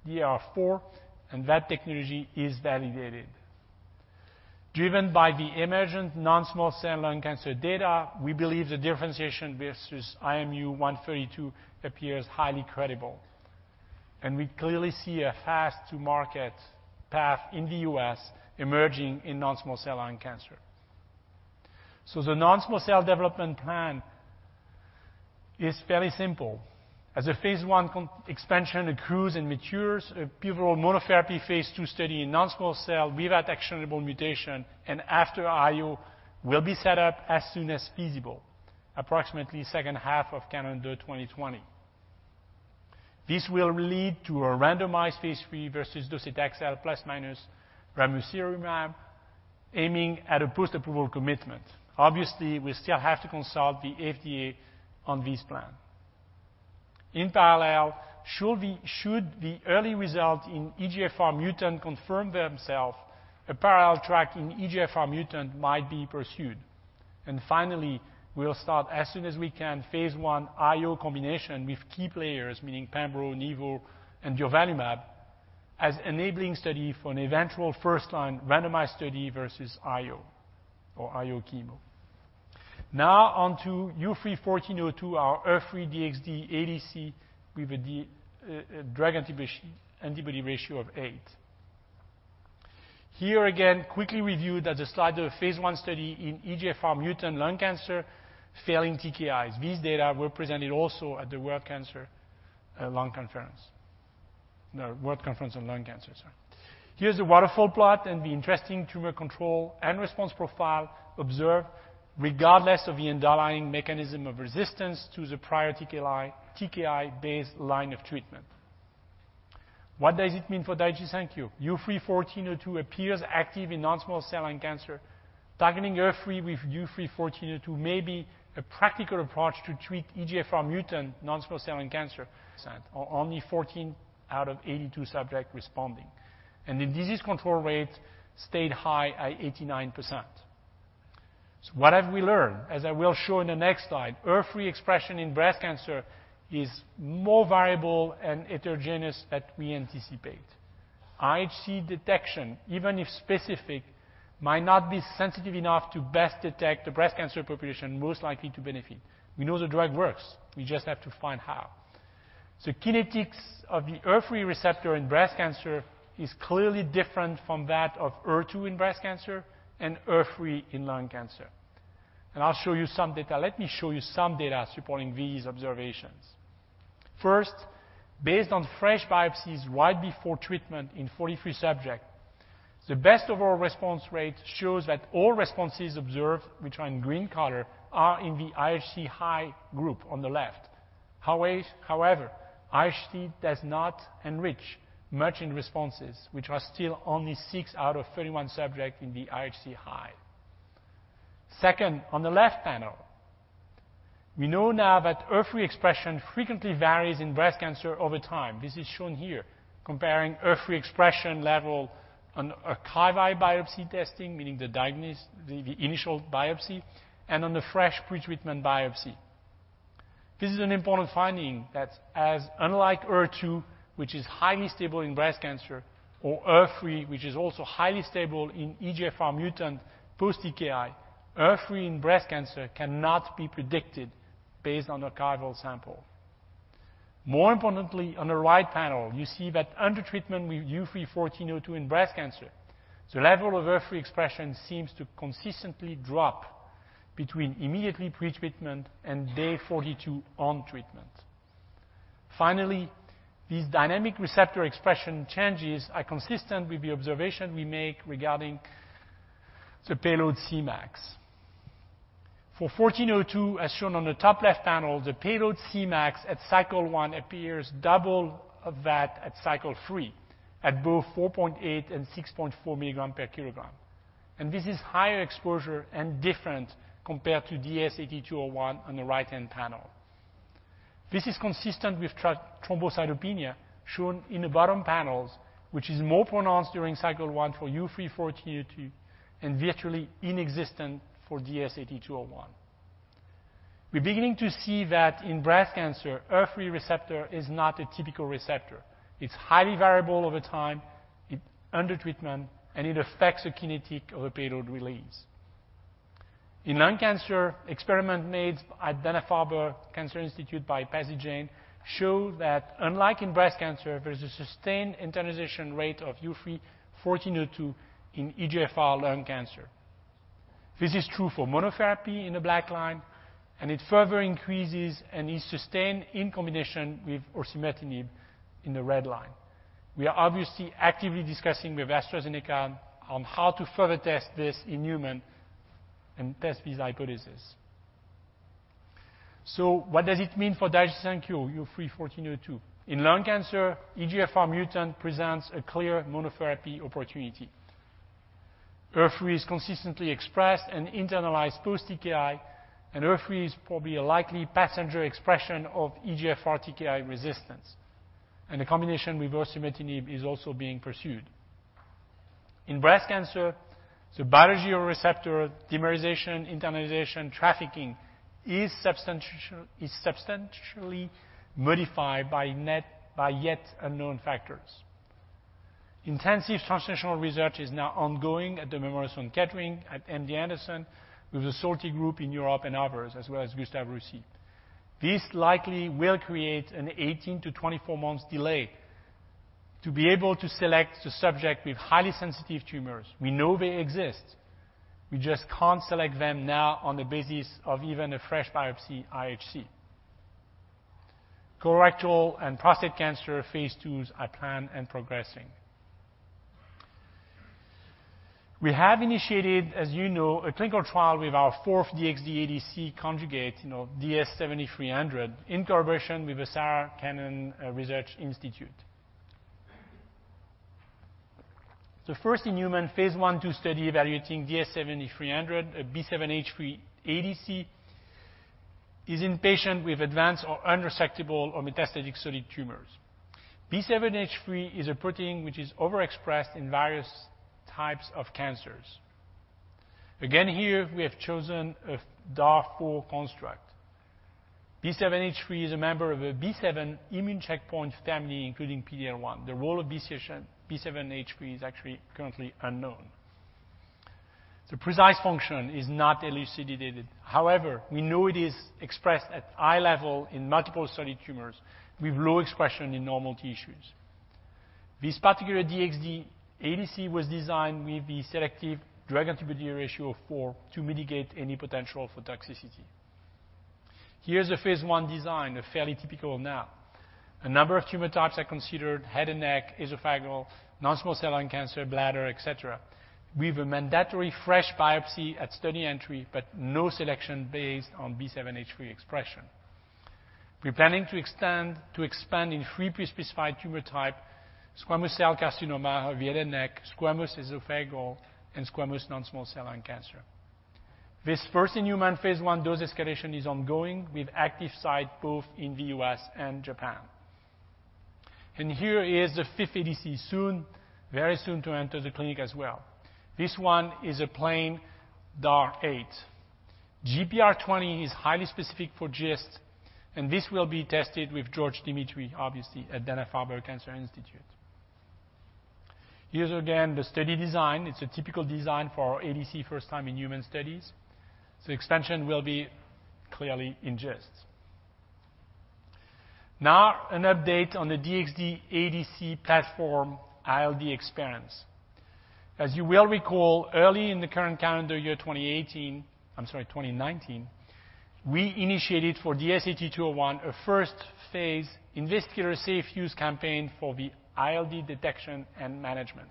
DAR4. That technology is validated. Driven by the emergent non-small cell lung cancer data, we believe the differentiation versus IMMU-132 appears highly credible. We clearly see a fast to market path in the U.S. emerging in non-small cell lung cancer. The non-small cell development plan is fairly simple. As a phase I expansion accrues and matures, a pivotal monotherapy phase II study in non-small cell without actionable mutation and after IO will be set up as soon as feasible, approximately second half of calendar 2020. This will lead to a randomized phase III versus docetaxel plus/minus ramucirumab, aiming at a post-approval commitment. Obviously, we still have to consult the FDA on this plan. In parallel, should the early result in Epidermal Growth Factor Receptor mutant confirm themselves, a parallel track in EGFR mutant might be pursued. Finally, we'll start as soon as we can phase I IO combination with key players, meaning pembro, nivo, and durvalumab as enabling study for an eventual first-line randomized study versus IO or IO-chemo. On to U3-1402, our HER3 DXd ADC with a drug-antibody ratio of 8. Again, quickly review that the slide of phase I study in EGFR mutant lung cancer failing TKIs. These data were presented also at the World Conference on Lung Cancer. Here is the waterfall plot and the interesting tumor control and response profile observed regardless of the underlying mechanism of resistance to the prior TKI-based line of treatment. What does it mean for Daiichi Sankyo? U3-1402 appears active in non-small-cell lung cancer. Targeting HER3 with U3-1402 may be a practical approach to treat EGFR mutant non-small-cell lung cancer. Only 14 out of 82 subjects responding. The disease control rate stayed high at 89%. What have we learned? As I will show in the next slide, HER3 expression in breast cancer is more variable and heterogeneous than we anticipate. Immunohistochemistry detection, even if specific, might not be sensitive enough to best detect the breast cancer population most likely to benefit. We know the drug works. We just have to find how. Kinetics of the HER3 receptor in breast cancer is clearly different from that of HER2 in breast cancer and HER3 in lung cancer. I'll show you some data. Let me show you some data supporting these observations. First, based on fresh biopsies right before treatment in 43 subjects, the best overall response rate shows that all responses observed, which are in green color, are in the IHC high group on the left. However, IHC does not enrich matching responses, which are still only six out of 31 subjects in the IHC high. Second, on the left panel, we know now that HER3 expression frequently varies in breast cancer over time. This is shown here comparing HER3 expression level on archival biopsy testing, meaning the initial biopsy, and on the fresh pre-treatment biopsy. This is an important finding that as unlike HER2, which is highly stable in breast cancer, or HER3, which is also highly stable in EGFR mutant post TKI, HER3 in breast cancer cannot be predicted based on archival sample. More importantly, on the right panel, you see that under treatment with U3-1402 in breast cancer, the level of HER3 expression seems to consistently drop between immediately pre-treatment and day 42 on treatment. Finally, these dynamic receptor expression changes are consistent with the observation we make regarding the payload Cmax. For U3-1402, as shown on the top left panel, the payload Cmax at Cycle 1 appears double of that at Cycle 3, at both 4.8 mg/kg and 6.4 mg/kg. This is higher exposure and different compared to DS-8201 on the right-hand panel. This is consistent with thrombocytopenia shown in the bottom panels, which is more pronounced during Cycle 1 for U3-1402 and virtually inexistent for DS-8201. We're beginning to see that in breast cancer, HER3 receptor is not a typical receptor. It's highly variable over time, under treatment, and it affects the kinetic of a payload release. In lung cancer, experiment made at Dana-Farber Cancer Institute by Pasi Jänne show that unlike in breast cancer, there is a sustained internalization rate of U3-1402 in EGFR lung cancer. This is true for monotherapy in the black line, and it further increases and is sustained in combination with osimertinib in the red line. We are obviously actively discussing with AstraZeneca on how to further test this in human and test these hypothesis. What does it mean for Daiichi Sankyo U3-1402? In lung cancer, EGFR mutant presents a clear monotherapy opportunity. HER3 is consistently expressed and internalized post TKI, HER3 is probably a likely passenger expression of EGFR TKI resistance. The combination with osimertinib is also being pursued. In breast cancer, the biology of receptor dimerization, internalization, trafficking is substantially modified by yet unknown factors. Intensive translational research is now ongoing at the Memorial Sloan Kettering, at MD Anderson, with the SOLTI group in Europe and others, as well as Gustave Roussy. This likely will create an 18-24 months delay to be able to select the subject with highly sensitive tumors. We know they exist. We just can't select them now on the basis of even a fresh biopsy IHC. Colorectal and prostate cancer phase IIs are planned and progressing. We have initiated, as you know, a clinical trial with our fourth DXd-ADC conjugate, DS-7300, in collaboration with the Sarah Cannon Research Institute. The first-in-human phase I/II study evaluating DS-7300, a B7H3 ADC, is in patients with advanced or unresectable or metastatic solid tumors. B7H3 is a protein which is overexpressed in various types of cancers. Again, here we have chosen a DAR4 construct. B7H3 is a member of a B7 immune checkpoint family, including PD-L1. The role of B7H3 is actually currently unknown. The precise function is not elucidated. We know it is expressed at high level in multiple solid tumors with low expression in normal tissues. This particular DXd-ADC was designed with the selective Drug-to-Antibody Ratio 4 to mitigate any potential for toxicity. Here is a phase I design, fairly typical now. A number of tumor types are considered, head and neck, esophageal, non-small cell lung cancer, bladder, et cetera, with a mandatory fresh biopsy at study entry, no selection based on B7H3 expression. We're planning to expand in three pre-specified tumor type, squamous cell carcinoma of head and neck, squamous esophageal, and squamous non-small cell lung cancer. This first-in-human phase I dose escalation is ongoing with active site both in the U.S. and Japan. Here is the fifth ADC soon, very soon to enter the clinic as well. This one is a plain DAR8. GPR20 is highly specific for Gastrointestinal Stromal Tumor. This will be tested with George Demetri at Dana-Farber Cancer Institute. Here's again the study design. It's a typical design for our ADC first time in human studies. Extension will be clearly in GIST. Now an update on the DXd ADC platform ILD experience. As you will recall, early in the current calendar year 2019, we initiated for DS-8201 a phase I investigator safe use campaign for the ILD detection and management.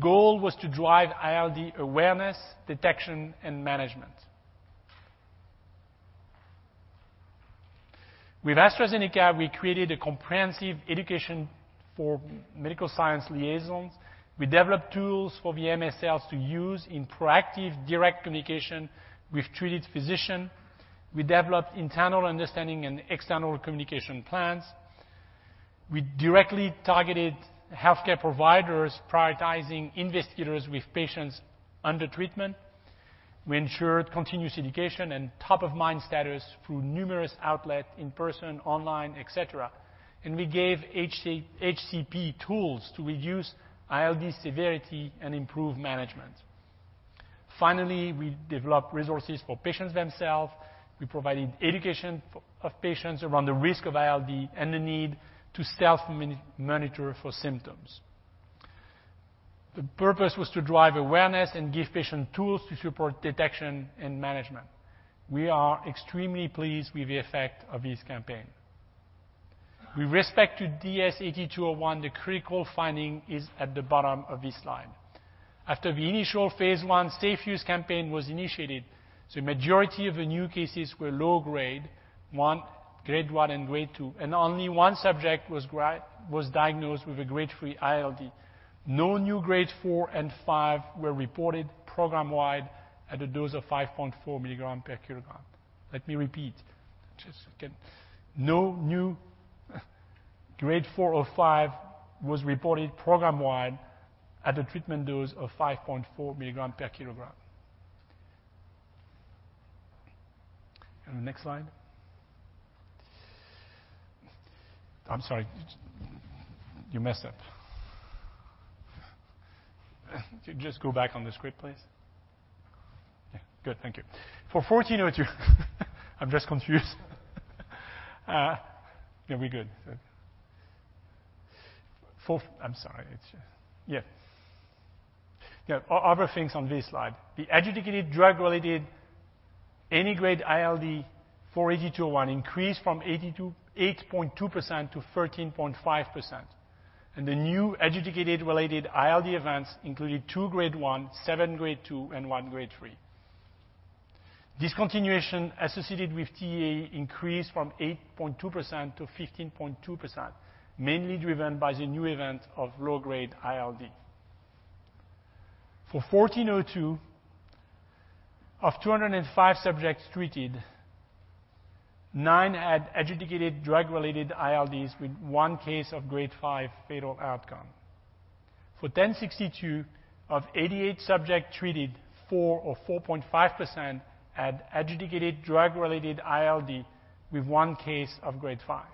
Goal was to drive ILD awareness, detection, and management. With AstraZeneca, we created a comprehensive education for medical science liaisons. We developed tools for the Medical Science Liaisons to use in proactive direct communication with treated physician. We developed internal understanding and external communication plans. We directly targeted healthcare providers, prioritizing investigators with patients under treatment. We ensured continuous education and top-of-mind status through numerous outlet, in-person, online, et cetera. We gave Healthcare Professional tools to reduce ILD severity and improve management. Finally, we developed resources for patients themselves. We provided education of patients around the risk of ILD and the need to self-monitor for symptoms. The purpose was to drive awareness and give patient tools to support detection and management. We are extremely pleased with the effect of this campaign. With respect to DS-8201, the critical finding is at the bottom of this slide. After the initial phase I safe use campaign was initiated, majority of the new cases were low grade, Grade 1 and Grade 2, and only one subject was diagnosed with a Grade 3 ILD. No new Grade 4 and Grade 5 were reported program-wide at a dose of 5.4 mg/kg. Let me repeat, just again. No new Grade 4 or Grade 5 was reported program-wide at a treatment dose of 5.4 mg/kg. The next slide. I'm sorry. You messed up. Just go back on the script, please. Yeah. Good. Thank you. For U3-1402, I'm just confused. Yeah, we good. I'm sorry. It's Yeah. Other things on this slide. The adjudicated drug-related any Grade ILD for DS-8201 increased from 8.2% to 13.5%. The new adjudicated related ILD events included two Grade 1, seven Grade 2, and one Grade 3. Discontinuation associated with TAE increased from 8.2% to 15.2%, mainly driven by the new event of low-grade ILD. For U3-1402, of 205 subjects treated, nine had adjudicated drug-related ILDs with one case of Grade 5 fatal outcome. For DS-1062 of 88 subject treated, 4% or 4.5% had adjudicated drug-related ILD with one case of Grade 5.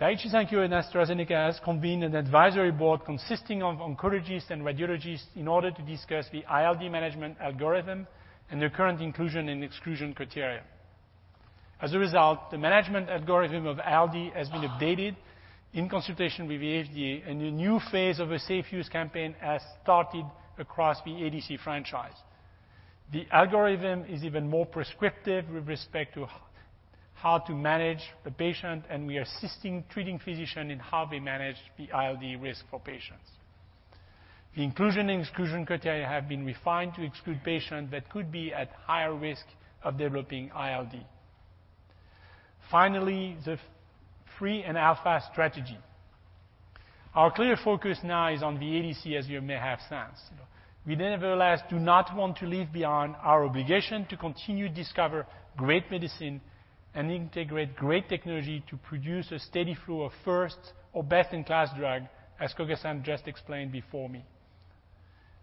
Daiichi Sankyo and AstraZeneca has convened an advisory board consisting of oncologists and radiologists in order to discuss the ILD management algorithm and their current inclusion and exclusion criteria. As a result, the management algorithm of ILD has been updated in consultation with the FDA, and a new phase of a safe use campaign has started across the ADC franchise. The algorithm is even more prescriptive with respect to how to manage the patient, and we are assisting treating physician in how they manage the ILD risk for patients. The inclusion and exclusion criteria have been refined to exclude patient that could be at higher risk of developing ILD. Finally, the three and Alpha Strategy Our clear focus now is on the ADC, as you may have sensed. We nevertheless do not want to leave beyond our obligation to continue discover great medicine and integrate great technology to produce a steady flow of first or best-in-class drug, as Koga-san just explained before me.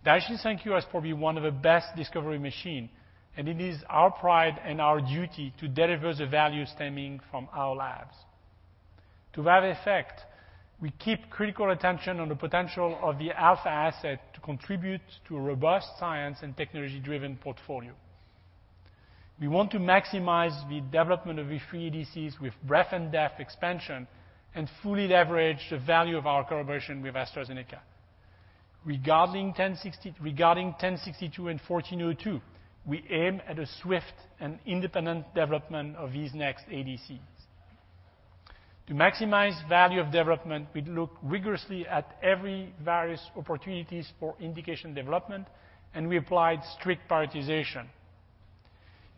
Daiichi Sankyo is probably one of the best discovery machine, and it is our pride and our duty to deliver the value stemming from our labs. To that effect, we keep critical attention on the potential of the alpha asset to contribute to a robust science and technology-driven portfolio. We want to maximize the development of the three ADCs with breadth and depth expansion and fully leverage the value of our collaboration with AstraZeneca. Regarding DS-1062 and U3-1402, we aim at a swift and independent development of these next ADCs. To maximize value of development, we look rigorously at every various opportunities for indication development, and we applied strict prioritization.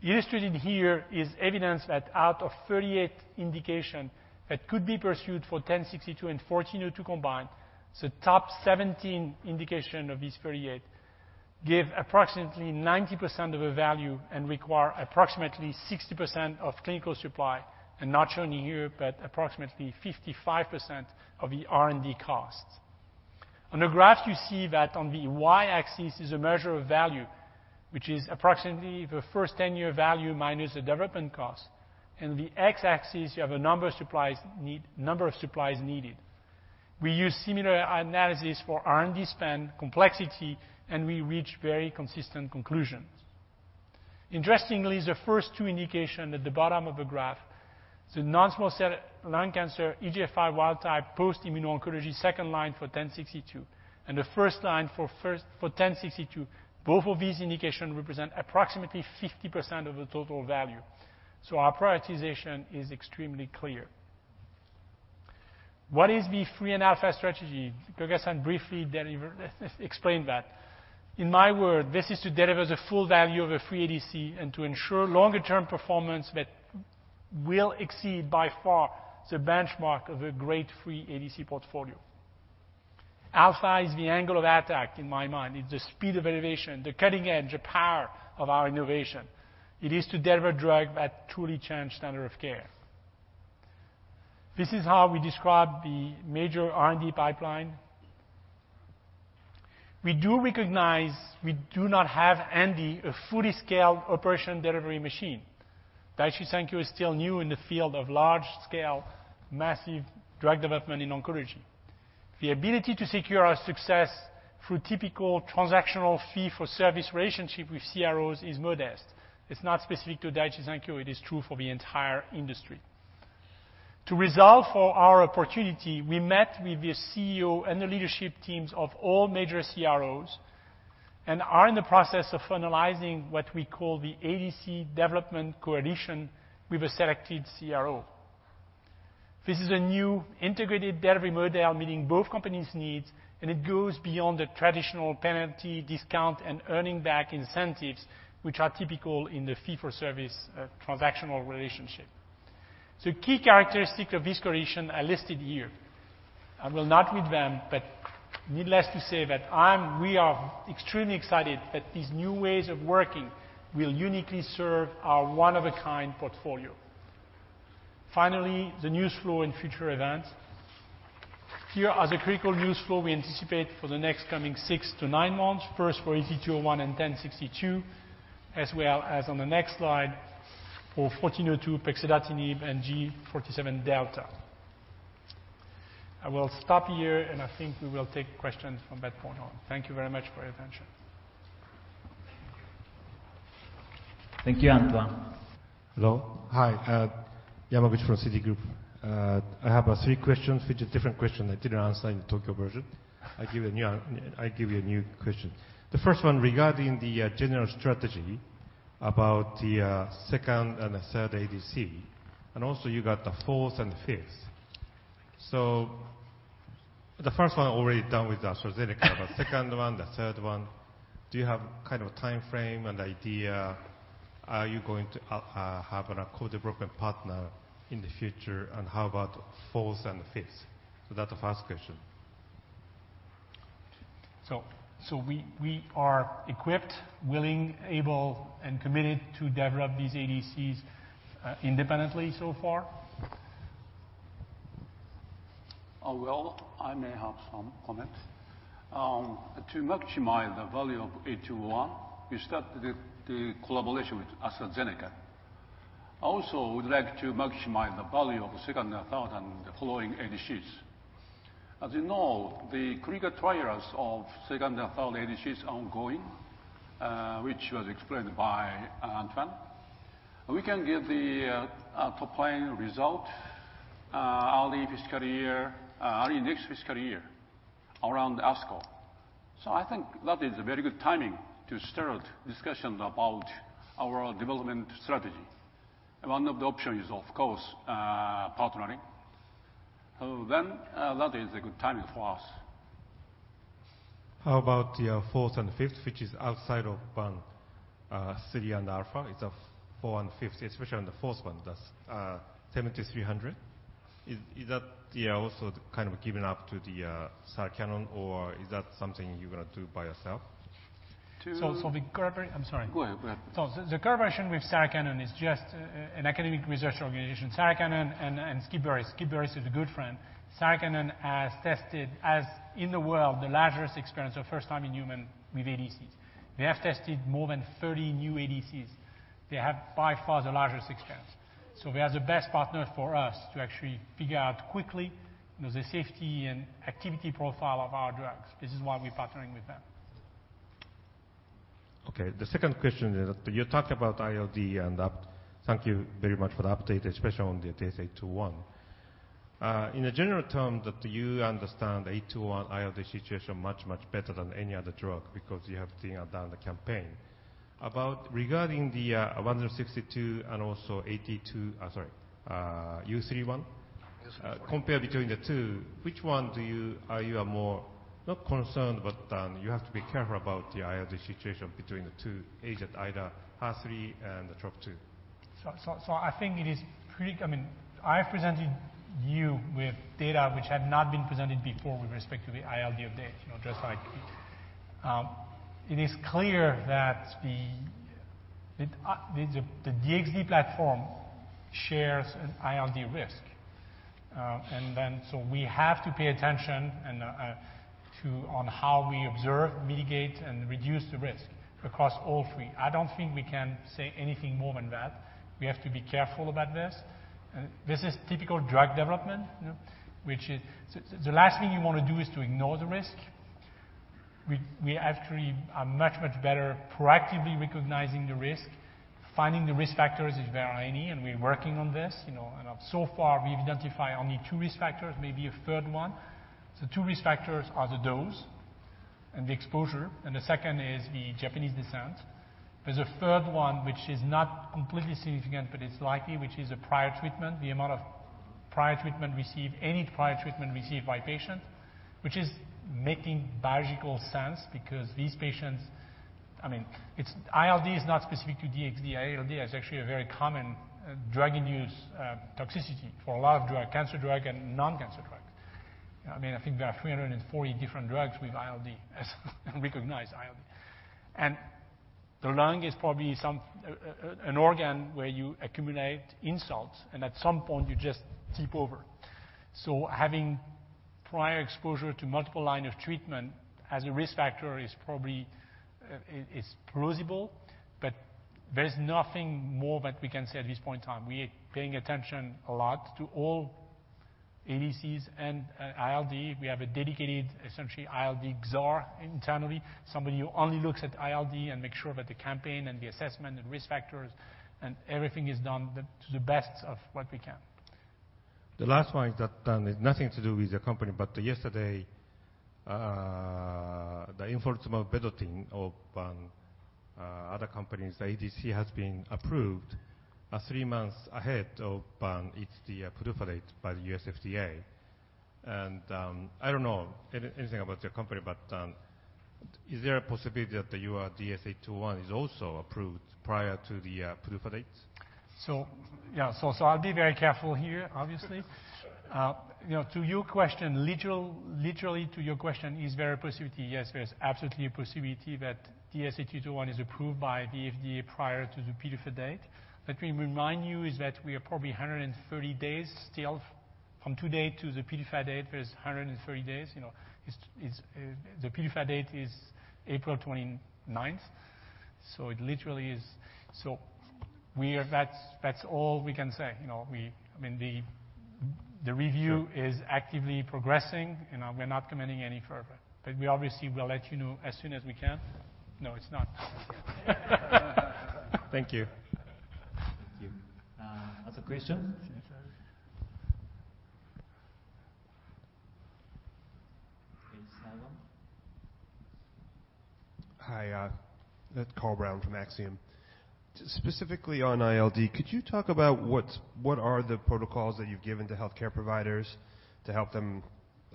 Illustrated here is evidence that out of 38 indication that could be pursued for DS-1062 and U3-1402 combined, the top 17 indication of these 38 give approximately 90% of the value and require approximately 60% of clinical supply, and not only here, but approximately 55% of the R&D costs. On the graph, you see that on the y-axis is a measure of value, which is approximately the first 10-year value minus the development cost. In the x-axis, you have a number of supplies needed. We use similar analysis for R&D spend, complexity, and we reach very consistent conclusions. Interestingly, the first two indication at the bottom of the graph, the non-small cell lung cancer EGFR wild type post Immuno-Oncology second line for DS-1062 and the first line for DS-1062, both of these indication represent approximately 50% of the total value. Our prioritization is extremely clear. What is the three and Alpha Strategy? Koga-san briefly explained that. In my world, this is to deliver the full value of a three ADC and to ensure longer-term performance that will exceed by far the benchmark of a great three ADC portfolio. Alpha is the angle of attack, in my mind. It's the speed of innovation, the cutting edge, the power of our innovation. It is to deliver drug that truly change standard of care. This is how we describe the major R&D pipeline. We do recognize we do not have handy a fully scaled operation delivery machine. Daiichi Sankyo is still new in the field of large scale, massive drug development in oncology. The ability to secure our success through typical transactional fee for service relationship with Contract Research Organizations is modest. It's not specific to Daiichi Sankyo, it is true for the entire industry. To resolve for our opportunity, we met with the CEO and the leadership teams of all major CROs and are in the process of finalizing what we call the ADC Development Coalition with a selected CRO. This is a new integrated delivery model meeting both companies' needs, and it goes beyond the traditional penalty discount and earning back incentives, which are typical in the fee for service transactional relationship. Key characteristic of this coalition are listed here. I will not read them, but needless to say that we are extremely excited that these new ways of working will uniquely serve our one-of-a-kind portfolio. Finally, the news flow and future events. Here are the critical news flow we anticipate for the next coming six to nine months, first for DS-8201 and DS-1062, as well as on the next slide for U3-1402, pexidartinib, and G47Δ. I will stop here, and I think we will take questions from that point on. Thank you very much for your attention. Thank you, Antoine. Hello. Hi, Hidemaru Yamaguchi from Citigroup. I have three questions, which are different question I didn't answer in the Tokyo version. I give you a new question. The first one regarding the general strategy about the second and the third ADC, and also you got the fourth and fifth. The first one already done with AstraZeneca, but second one, the third one, do you have kind of a timeframe and idea? Are you going to have a co-development partner in the future, and how about fourth and fifth? That's the first question. We are equipped, willing, able, and committed to develop these ADCs independently so far. Well, I may have some comments. To maximize the value of DS-8201, we started the collaboration with AstraZeneca. We'd like to maximize the value of second, third, and the following ADCs. As you know, the critical trials of second and third ADCs ongoing, which was explained by Antoine. We can give the top line result early next fiscal year around ASCO. I think that is a very good timing to start discussions about our development strategy. One of the options is, of course, partnering. That is a good timing for us. How about the fourth and fifth, which is outside of van city and alpha? It's a four and fifth, especially on the fourth one, that's DS-7300. Is that also kind of giving up to the Sarah Cannon, or is that something you're going to do by yourself? I'm sorry. Go ahead. The collaboration with Sarah Cannon is just an academic research organization. Sarah Cannon and David Spigel. David Spigel is a good friend. Sarah Cannon has tested as in the world, the largest experience of first time in human with ADCs. They have tested more than 30 new ADCs. They have by far the largest experience. They are the best partner for us to actually figure out quickly the safety and activity profile of our drugs. This is why we're partnering with them. Okay. The second question is that you talk about ILD and thank you very much for the update, especially on the DS-8201. In a general term that you understand DS-8201 ILD situation much better than any other drug because you have done the campaign. Regarding the DS-1062 and also, sorry, U3-1402. Yes. Compared between the two, which one are you more, not concerned, but you have to be careful about the ILD situation between the two agent, either HER3 and the TROP2? I've presented you with data which had not been presented before with respect to the ILD update, just like it is clear that the DXd platform shares an ILD risk. We have to pay attention on how we observe, mitigate, and reduce the risk across all three. I don't think we can say anything more than that. We have to be careful about this. This is typical drug development. The last thing you want to do is to ignore the risk. We actually are much better proactively recognizing the risk, finding the risk factors if there are any, and we're working on this. So far, we've identified only two risk factors, maybe a third one. Two risk factors are the dose and the exposure, and the second is the Japanese descent. There's a third one, which is not completely significant, but it's likely, which is a prior treatment, the amount of prior treatment received, any prior treatment received by patient, which is making biological sense because these patients. ILD is not specific to DXd. ILD is actually a very common drug-induced toxicity for a lot of cancer drug and non-cancer drug. I think there are 340 different drugs with ILD, recognized ILD. The lung is probably an organ where you accumulate insults, and at some point, you just tip over. Having prior exposure to multiple line of treatment as a risk factor is plausible, but there's nothing more that we can say at this point in time. We are paying attention a lot to all ADCs and ILD. We have a dedicated, essentially, ILD Czar internally, somebody who only looks at ILD and make sure that the campaign and the assessment and risk factors and everything is done to the best of what we can. The last one is that has nothing to do with your company, yesterday, the enforcement visiting of other companies, the ADC has been approved three months ahead of the PDUFA date by the U.S. FDA. I don't know anything about your company, is there a possibility that your DS-8201 is also approved prior to the PDUFA date? I'll be very careful here, obviously. Literally to your question, is there a possibility? Yes, there is absolutely a possibility that DSA221 is approved by the FDA prior to the PDUFA date. Let me remind you is that we are probably 130 days still from today to the PDUFA date, there's 130 days. The PDUFA date is April 29th. That's all we can say. The review is actively progressing. We're not committing any further. We obviously will let you know as soon as we can. No, it's not. Thank you. Thank you. Other question? [audio distortion] Hi, Carl Brown from Axiom Investor. Specifically on ILD, could you talk about what are the protocols that you've given to healthcare providers to help them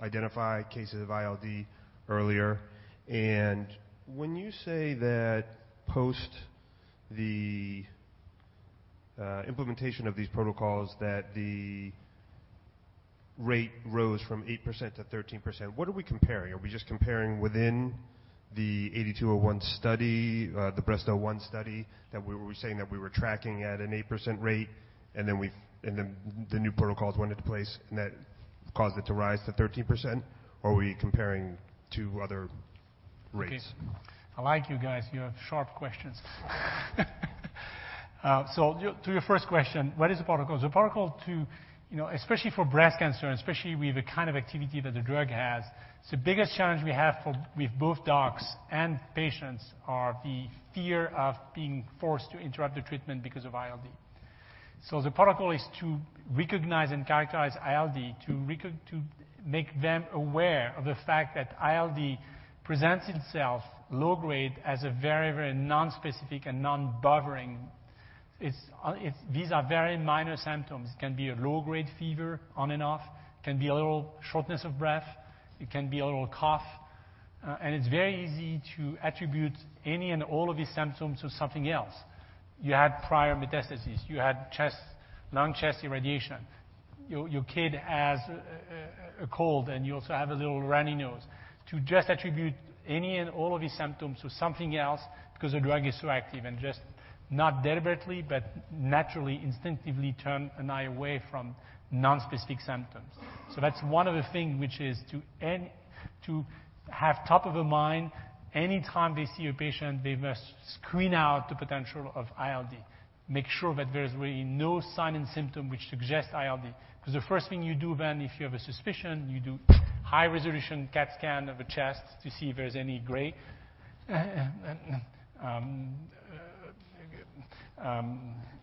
identify cases of ILD earlier? When you say that post the implementation of these protocols that the rate rose from 8%-13%, what are we comparing? Are we just comparing within the 8201 study, the DESTINY-Breast01 study that we were saying that we were tracking at an 8% rate, and then the new protocols went into place and that caused it to rise to 13%? Are we comparing two other rates? Okay. I like you guys. You have sharp questions. To your first question, what is the protocol? The protocol to, especially for breast cancer and especially with the kind of activity that the drug has, the biggest challenge we have with both docs and patients are the fear of being forced to interrupt the treatment because of ILD. The protocol is to recognize and characterize ILD, to make them aware of the fact that ILD presents itself low grade as a very, very non-specific and non-bothering. These are very minor symptoms. It can be a low-grade fever on and off, it can be a little shortness of breath, it can be a little cough. It's very easy to attribute any and all of these symptoms to something else. You had prior metastases, you had lung chest irradiation. Your kid has a cold, and you also have a little runny nose. To just attribute any and all of these symptoms to something else because the drug is so active and just not deliberately, but naturally, instinctively turn an eye away from non-specific symptoms. That's one of the thing which is to have top of the mind, any time they see a patient, they must screen out the potential of ILD, make sure that there is really no sign and symptom which suggests ILD. The first thing you do then, if you have a suspicion, you do high-resolution CAT scan of a chest to see if there's any ground-glass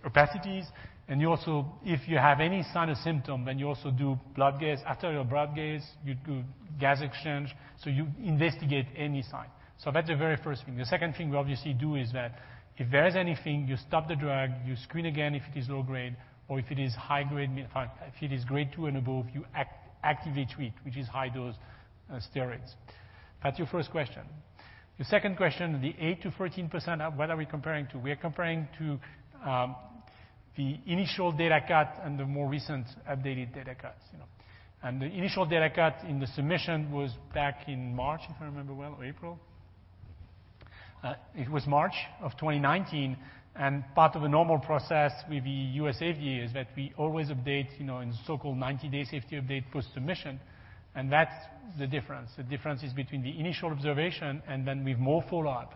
opacities. If you have any sign or symptom, then you also do blood gas, arterial blood gas, you do gas exchange, you investigate any sign. That's the very first thing. The second thing we obviously do is that if there is anything, you stop the drug, you screen again if it is low grade, or if it is high grade, if it is Grade 2 and above, you actively treat, which is high-dose steroids. That's your first question. Your second question, the 8%-14%, what are we comparing to? We are comparing to the initial data cut and the more recent updated data cuts. The initial data cut in the submission was back in March, if I remember well, or April. It was March of 2019, and part of a normal process with the U.S. FDA is that we always update in so-called 90-day safety update post-submission, and that's the difference. The difference is between the initial observation and then with more follow-up.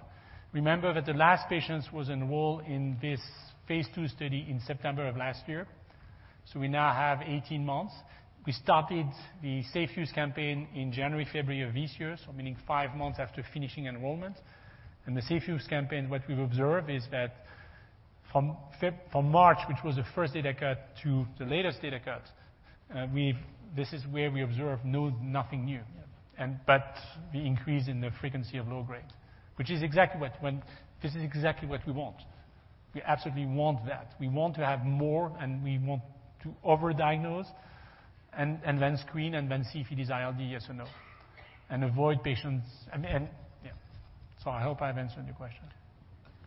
Remember that the last patients was enrolled in this phase II study in September of last year, so we now have 18 months. We started the safe use campaign in January, February of this year, so meaning five months after finishing enrollment. In the safe use campaign, what we've observed is that from March, which was the first data cut, to the latest data cut, this is where we observe nothing new. Yeah. The increase in the frequency of low grade, which is exactly what we want. We absolutely want that. We want to have more, and we want to over-diagnose and then screen and then see if it is ILD, yes or no. Avoid patients. And yeah. I hope I've answered your question.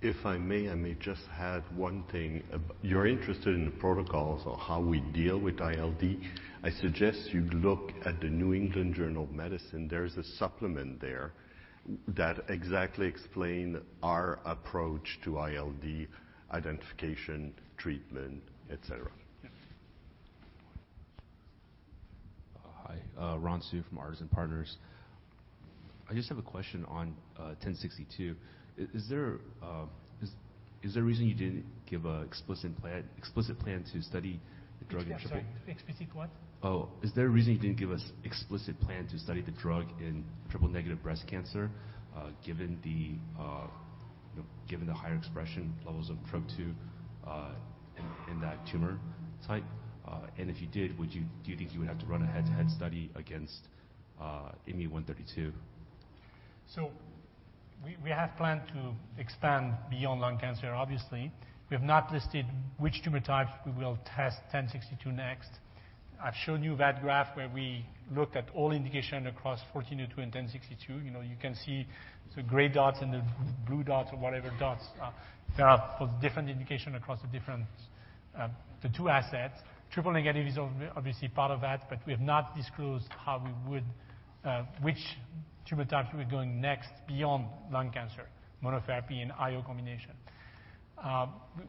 If I may, I may just add one thing. You are interested in the protocols of how we deal with ILD. I suggest you look at The New England Journal of Medicine. There is a supplement there that exactly explain our approach to ILD identification, treatment, et cetera. Yeah. Hi. Ron Su from Artisan Partners. I just have a question on DS-1062. Is there a reason you didn't give a explicit plan to study the drug in triple? I'm sorry, explicit what? Oh, is there a reason you didn't give us explicit plan to study the drug in triple-negative breast cancer, given the higher expression levels of TROP2 in that tumor type? If you did, do you think you would have to run a head-to-head study against IMMU-132? We have planned to expand beyond lung cancer, obviously. We have not listed which tumor types we will test DS-1062 next. I've shown you that graph where we looked at all indication across U3-1402 and DS-1062. You can see the gray dots and the blue dots or whatever dots there are for different indication across the two assets. Triple negative is obviously part of that, we have not disclosed which tumor types we're going next beyond lung cancer, monotherapy and IO combination.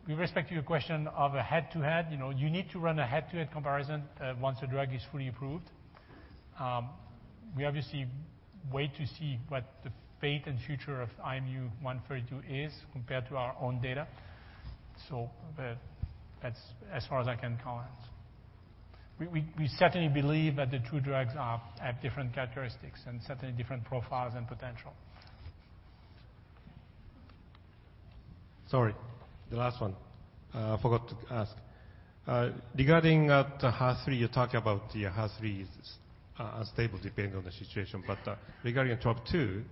With respect to your question of a head-to-head, you need to run a head-to-head comparison once the drug is fully approved. We obviously wait to see what the fate and future of IMMU-132 is compared to our own data. That's as far as I can comment. We certainly believe that the two drugs have different characteristics and certainly different profiles and potential. Sorry, the last one I forgot to ask. Regarding the HER3, you talked about the HER3 is unstable depending on the situation, but regarding TROP2,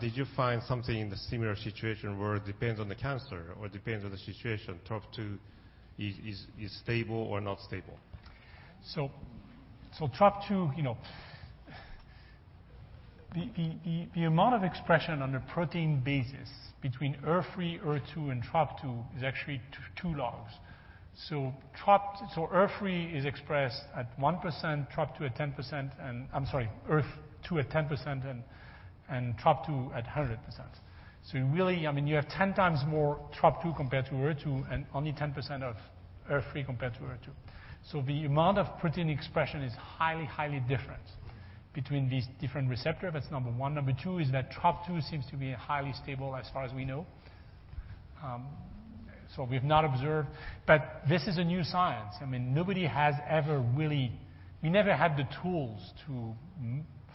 did you find something in the similar situation where it depends on the cancer or depends on the situation, TROP2 is stable or not stable? TROP2, the amount of expression on a protein basis between HER3, HER2, and TROP2 is actually two logs. HER3 is expressed at 1%, HER2 at 10% and TROP2 at 100%. Really, in your 10x more TROP2 compared to HER2 and only 10% of HER3 compared to HER2. The amount of protein expression is highly different between these different receptor. That's number one. Number two is that TROP2 seems to be highly stable as far as we know. We've not observed, but this is a new science. We never had the tools to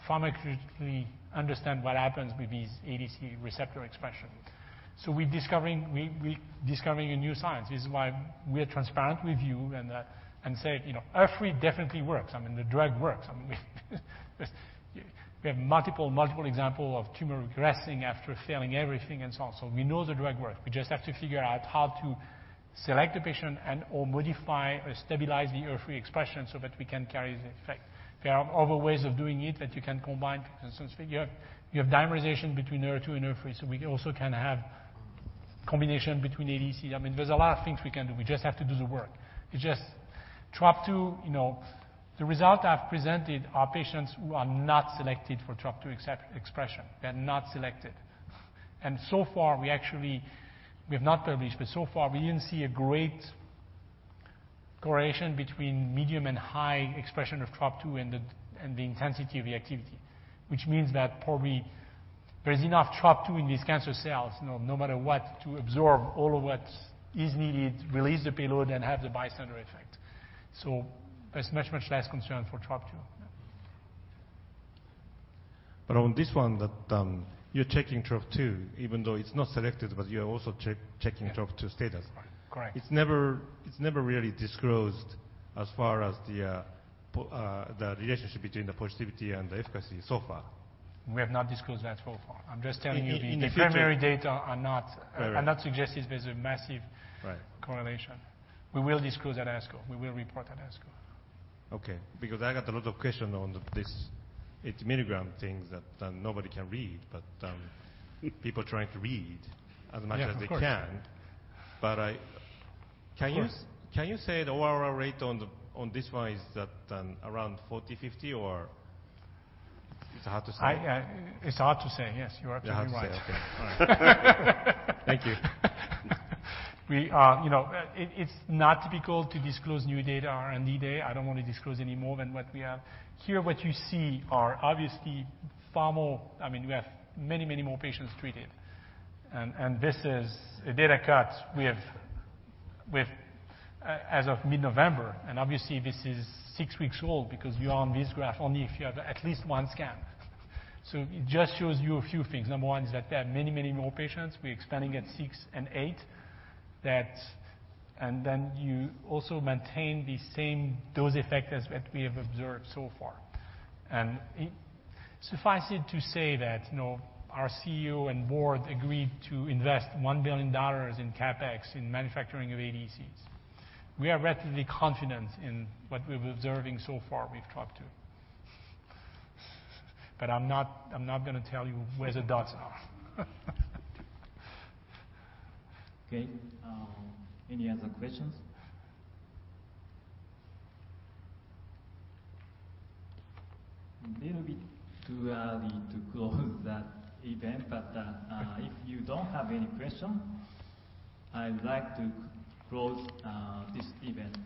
pharmacogenetically understand what happens with these ADC receptor expression. We're discovering a new science. This is why we are transparent with you and say HER3 definitely works. I mean, the drug works. We have multiple examples of tumor regressing after failing everything and so on. We know the drug works. We just have to figure out how to select the patient and/or modify or stabilize the HER3 expression so that we can carry the effect. There are other ways of doing it that you can combine. For instance, you have dimerization between HER2 and HER3, we also can have combination between ADC. There's a lot of things we can do. We just have to do the work. TROP2, the result I've presented are patients who are not selected for TROP2 expression. They're not selected. So far, we have not published, but so far, we didn't see a great correlation between medium and high expression of TROP2 and the intensity of the activity, which means that probably there's enough TROP2 in these cancer cells, no matter what, to absorb all of what is needed to release the payload and have the bystander effect. There's much less concern for TROP2. On this one that you're checking TROP2, even though it's not selected, but you're also checking TROP2 status. Correct. It's never really disclosed as far as the relationship between the positivity and the efficacy so far. We have not disclosed that so far. I'm just telling you [crosstalk] the primary data are not [crosstalk] suggesting there's a massive [crosstalk] correlation. We will disclose at American Society of Clinical Oncology. We will report at ASCO. Okay, because I got a lot of question on this 8 m things that nobody can read, but people trying to read as much as they can. Yeah. Of course. Can you say the OR rate on this one is that around 40/50, or it's hard to say? It's hard to say. Yes, you're absolutely right. It's hard to say. Okay. All right. Thank you. It's not typical to disclose new data on the day. I don't want to disclose any more than what we have. Here, what you see are obviously We have many more patients treated, and this is a data cut we have as of mid-November, and obviously, this is six weeks old because you are on this graph only if you have at least one scan. It just shows you a few things. Number one is that there are many more patients. We're expanding at six and eight. You also maintain the same dose effect as what we have observed so far. Suffice it to say that our CEO and board agreed to invest JPY 100 billion in CapEx in manufacturing of ADCs. We are relatively confident in what we're observing so far with TROP2. I'm not going to tell you where the dots are. Okay. Any other questions? A little bit too early to close that event, but if you don't have any question, I would like to close this event.